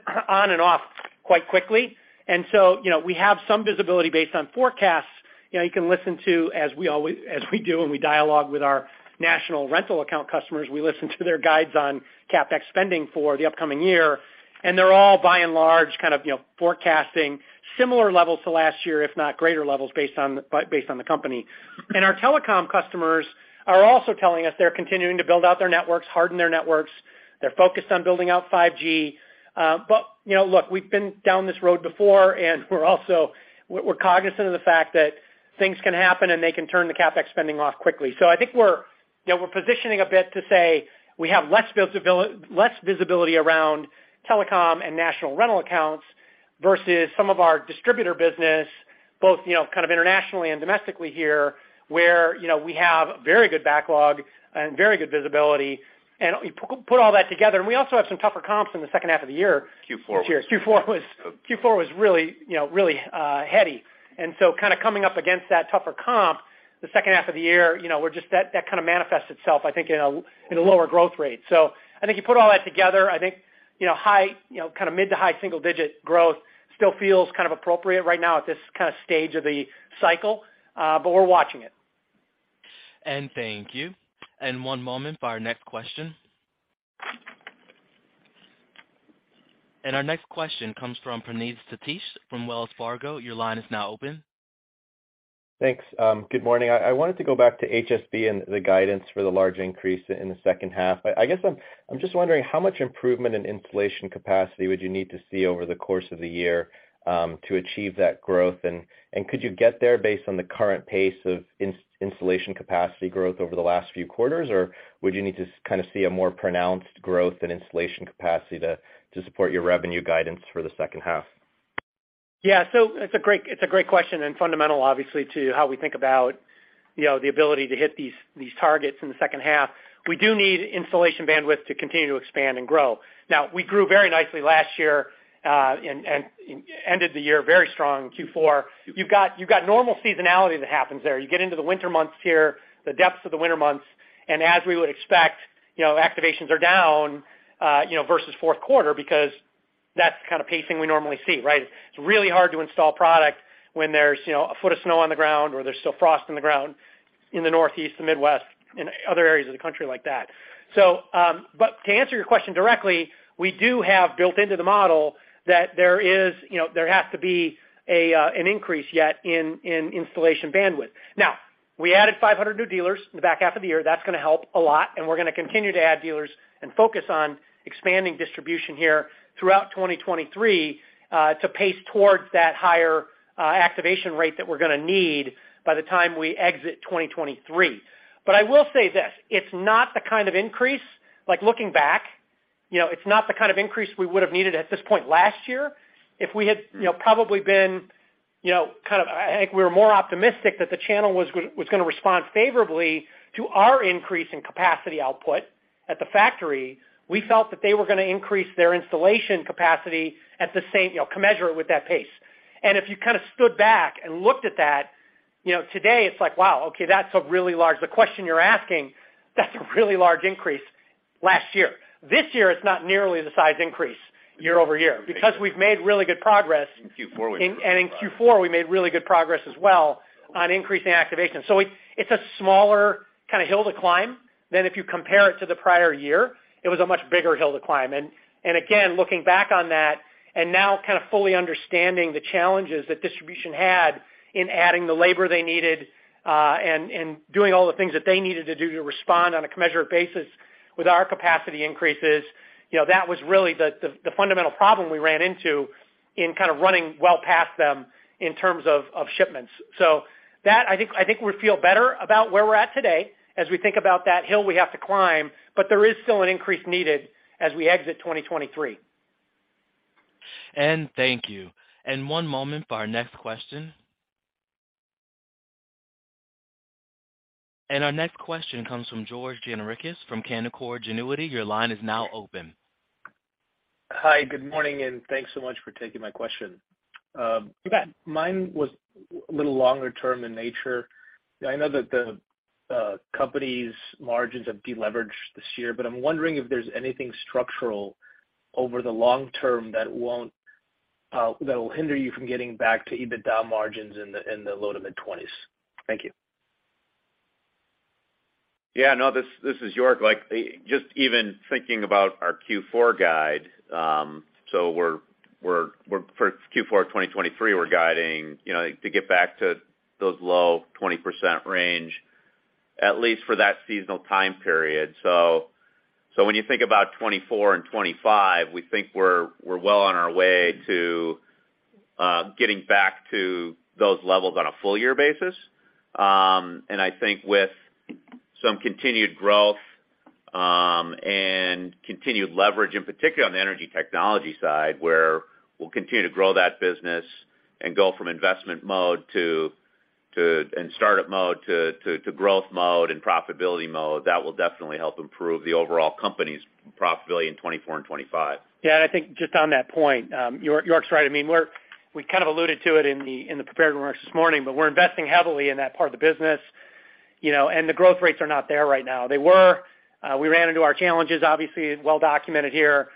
and off quite quickly. You know, we have some visibility based on forecasts. You know, you can listen to as we always do when we dialogue with our national rental account customers, we listen to their guides on CapEx spending for the upcoming year. They're all by and large kind of, you know, forecasting similar levels to last year, if not greater levels based on, based on the company. Our telecom customers are also telling us they're continuing to build out their networks, harden their networks. They're focused on building out 5G. You know, look, we've been down this road before, and we're also we're cognizant of the fact that things can happen, and they can turn the CapEx spending off quickly. I think we're, you know, we're positioning a bit to say we have less visibility, less visibility around telecom and national rental accounts versus some of our distributor business, both, you know, kind of internationally and domestically here, where, you know, we have very good backlog and very good visibility. You put all that together, and we also have some tougher comps in the second half of the year. Q4. Q4 was really, you know, really, heady. Kind of coming up against that tougher comp the second half of the year, you know, we're just that kind of manifests itself, I think, in a lower growth rate. I think you put all that together, I think, you know, high, you know, kind of mid to high single digit growth still feels kind of appropriate right now at this kind of stage of the cycle. We're watching it. Thank you. One moment for our next question. Our next question comes from Praneeth Satish from Wells Fargo. Your line is now open. Thanks. Good morning. I wanted to go back to HSB and the guidance for the large increase in the second half. I guess I'm just wondering how much improvement in installation capacity would you need to see over the course of the year to achieve that growth? Could you get there based on the current pace of installation capacity growth over the last few quarters? Or would you need to kind of see a more pronounced growth in installation capacity to support your revenue guidance for the second half? It's a great question and fundamental, obviously, to how we think about, you know, the ability to hit these targets in the second half. We do need installation bandwidth to continue to expand and grow. We grew very nicely last year, and ended the year very strong in Q4. You've got normal seasonality that happens there. You get into the winter months here, the depths of the winter months, and as we would expect, you know, activations are down, you know, versus 4th quarter because that's the kind of pacing we normally see, right? It's really hard to install product when there's, you know, a foot of snow on the ground or there's still frost in the ground in the Northeast and Midwest and other areas of the country like that. To answer your question directly, we do have built into the model that there is, you know, there has to be an increase yet in installation bandwidth. We added 500 new dealers in the back half of the year. That's gonna help a lot, and we're gonna continue to add dealers and focus on expanding distribution here throughout 2023 to pace towards that higher activation rate that we're gonna need by the time we exit 2023. I will say this, it's not the kind of increase, like looking back, you know, it's not the kind of increase we would have needed at this point last year. If we had, you know, probably been, you know, kind of I think we were more optimistic that the channel was gonna respond favorably to our increase in capacity output at the factory. We felt that they were gonna increase their installation capacity at the same, you know, commensurate with that pace. If you kind of stood back and looked at that, you know, today it's like, wow, okay, that's a really large. The question you're asking, that's a really large increase last year. This year, it's not nearly the size increase year-over-year because we've made really good progress. In Q4 we made really good progress. In Q4, we made really good progress as well on increasing activation. It's a smaller kind of hill to climb than if you compare it to the prior year. It was a much bigger hill to climb. Again, looking back on that and now kind of fully understanding the challenges that distribution had in adding the labor they needed, and doing all the things that they needed to do to respond on a commensurate basis with our capacity increases, you know, that was really the fundamental problem we ran into in kind of running well past them in terms of shipments. That I think we feel better about where we're at today as we think about that hill we have to climb, but there is still an increase needed as we exit 2023. Thank you. One moment for our next question. Our next question comes from George Gianarikas from Canaccord Genuity. Your line is now open. Hi, good morning, and thanks so much for taking my question. You bet. Mine was a little longer term in nature. I know that the company's margins have deleveraged this year, I'm wondering if there's anything structural over the long term that will hinder you from getting back to EBITDA margins in the low to mid-20s? Thank you. No, this is York. Like, just even thinking about our Q4 guide, for Q4 2023, we're guiding, you know, to get back to those low 20% range, at least for that seasonal time period. When you think about 2024 and 2025, we think we're well on our way to getting back to those levels on a full year basis. I think with some continued growth and continued leverage, in particular on the energy technology side, where we'll continue to grow that business and go from investment mode toStartup mode to growth mode and profitability mode, that will definitely help improve the overall company's profitability in 2024 and 2025. Yeah, I think just on that point, York's right. I mean, we kind of alluded to it in the prepared remarks this morning, but we're investing heavily in that part of the business, you know, and the growth rates are not there right now. They were. We ran into our challenges, obviously well documented here.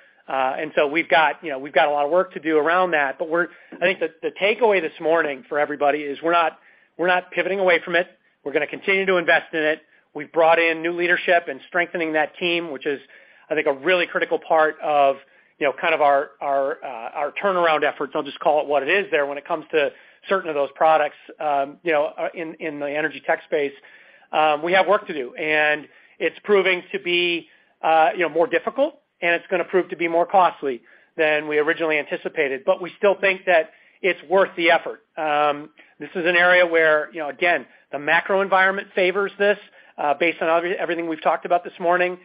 We've got, you know, we've got a lot of work to do around that. I think the takeaway this morning for everybody is we're not pivoting away from it. We're gonna continue to invest in it. We've brought in new leadership and strengthening that team, which is, I think, a really critical part of, you know, kind of our turnaround efforts. I'll just call it what it is there when it comes to certain of those products, you know, in the energy tech space. We have work to do, and it's proving to be, you know, more difficult, and it's gonna prove to be more costly than we originally anticipated. We still think that it's worth the effort. This is an area where, you know, again, the macro environment favors this, based on everything we've talked about this morning,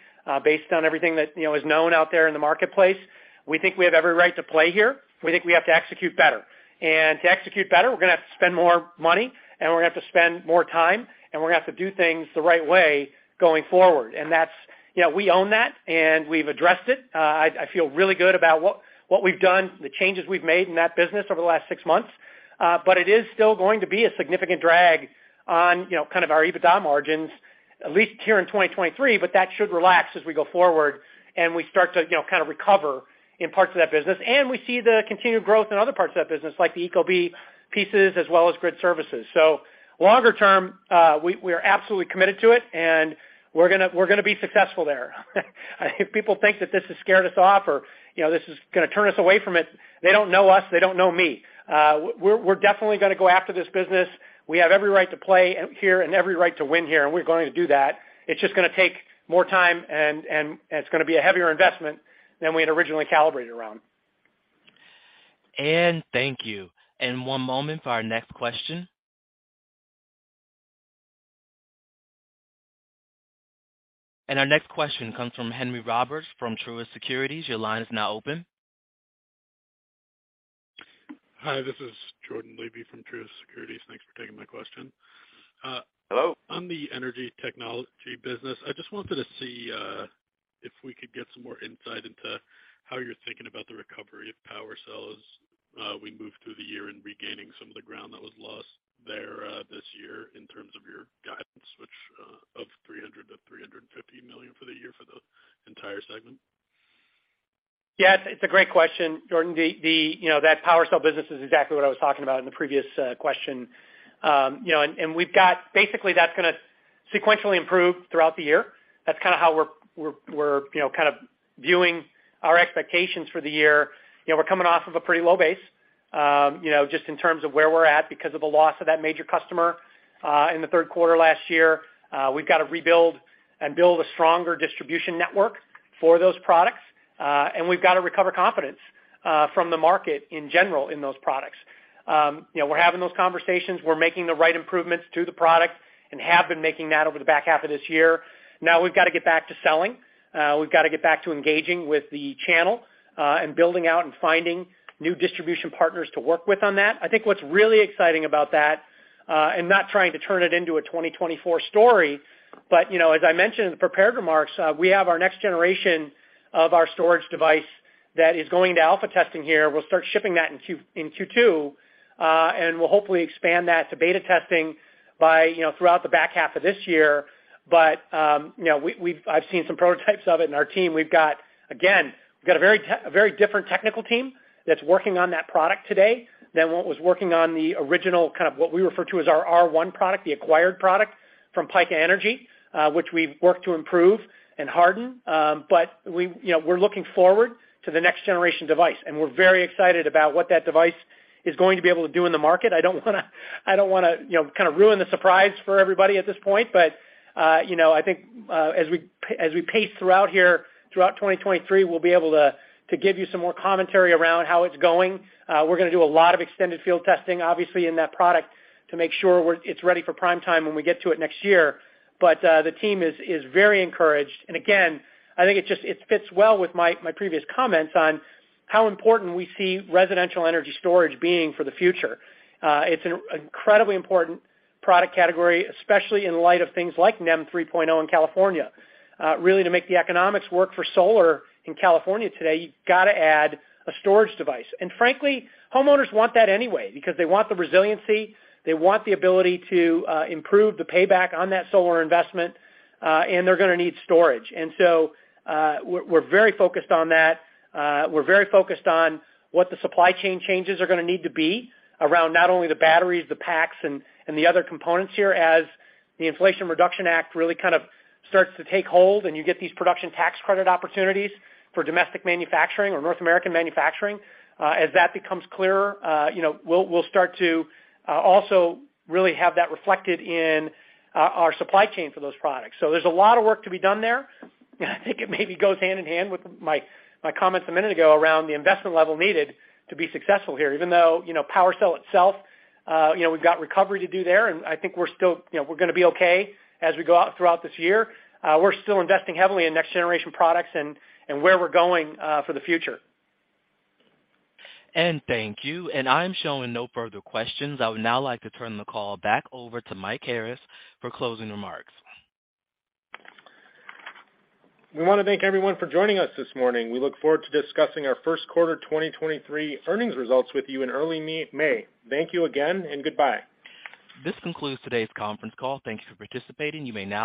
based on everything that, you know, is known out there in the marketplace. We think we have every right to play here. We think we have to execute better. To execute better, we're gonna have to spend more money, and we're gonna have to spend more time, and we're gonna have to do things the right way going forward. That's, you know, we own that, and we've addressed it. I feel really good about what we've done, the changes we've made in that business over the last six months. It is still going to be a significant drag on, you know, kind of our EBITDA margins, at least here in 2023, but that should relax as we go forward and we start to, you know, kind of recover in parts of that business. We see the continued growth in other parts of that business, like the ecobee pieces as well as Grid Services. Longer term, we're absolutely committed to it, and we're gonna, we're gonna be successful there. If people think that this has scared us off or, you know, this is gonna turn us away from it, they don't know us, they don't know me. We're definitely gonna go after this business. We have every right to play here and every right to win here, and we're going to do that. It's just gonna take more time and it's gonna be a heavier investment than we had originally calibrated around. Thank you. One moment for our next question. Our next question comes from Henry Roberts from Truist Securities. Your line is now open. Hi, this is Jordan Levy from Truist Securities. Thanks for taking my question. Hello. On the energy technology business, I just wanted to see, if we could get some more insight into how you're thinking about the recovery of PWRcell as we move through the year and regaining some of the ground that was lost there, this year in terms of your guidance, which, of $300 million-$350 million for the year for the entire segment. Yes, it's a great question, Jordan. You know, that PWRcell business is exactly what I was talking about in the previous question. You know, basically, that's gonna sequentially improve throughout the year. That's kinda how we're, you know, kind of viewing our expectations for the year. You know, we're coming off of a pretty low base, you know, just in terms of where we're at because of the loss of that major customer in the 3rd quarter last year. We've got to rebuild and build a stronger distribution network for those products and we've got to recover confidence from the market in general in those products. You know, we're having those conversations. We're making the right improvements to the product and have been making that over the back half of this year. Now we've got to get back to selling. We've got to get back to engaging with the channel and building out and finding new distribution partners to work with on that. I think what's really exciting about that, and not trying to turn it into a 2024 story, but, you know, as I mentioned in the prepared remarks, we have our next generation of our storage device that is going to alpha testing here. We'll start shipping that in Q2, and we'll hopefully expand that to beta testing by, you know, throughout the back half of this year. You know, we've I've seen some prototypes of it in our team. We've got, again, a very different technical team that's working on that product today than what was working on the original, kind of what we refer to as our R1 product, the acquired product from Pika Energy, which we've worked to improve and harden. We, you know, we're looking forward to the next generation device, and we're very excited about what that device is going to be able to do in the market. I don't wanna, you know, kind of ruin the surprise for everybody at this point, but, you know, I think, as we, as we pace throughout here throughout 2023, we'll be able to give you some more commentary around how it's going. We're gonna do a lot of extended field testing, obviously, in that product to make sure it's ready for prime time when we get to it next year. The team is very encouraged. Again, I think it fits well with my previous comments on how important we see residential energy storage being for the future. It's an incredibly important product category, especially in light of things like NEM 3.0 in California. Really to make the economics work for solar in California today, you've got to add a storage device. Frankly, homeowners want that anyway because they want the resiliency, they want the ability to improve the payback on that solar investment, and they're gonna need storage. So, we're very focused on that. We're very focused on what the supply chain changes are gonna need to be around not only the batteries, the packs, and the other components here. The Inflation Reduction Act really kind of starts to take hold and you get these production tax credit opportunities for domestic manufacturing or North American manufacturing, you know, we'll start to also really have that reflected in our supply chain for those products. There's a lot of work to be done there. I think it maybe goes hand in hand with my comments a minute ago around the investment level needed to be successful here. Even though, you know, PWRcell itself, you know, we've got recovery to do there, and I think we're still, you know, we're gonna be okay as we go out throughout this year. We're still investing heavily in next generation products and where we're going for the future. Thank you. I'm showing no further questions. I would now like to turn the call back over to Mike Harris for closing remarks. We wanna thank everyone for joining us this morning. We look forward to discussing our 1st quarter 2023 earnings results with you in early May. Thank you again. Goodbye. This concludes today's conference call. Thank you for participating. You may now disconnect.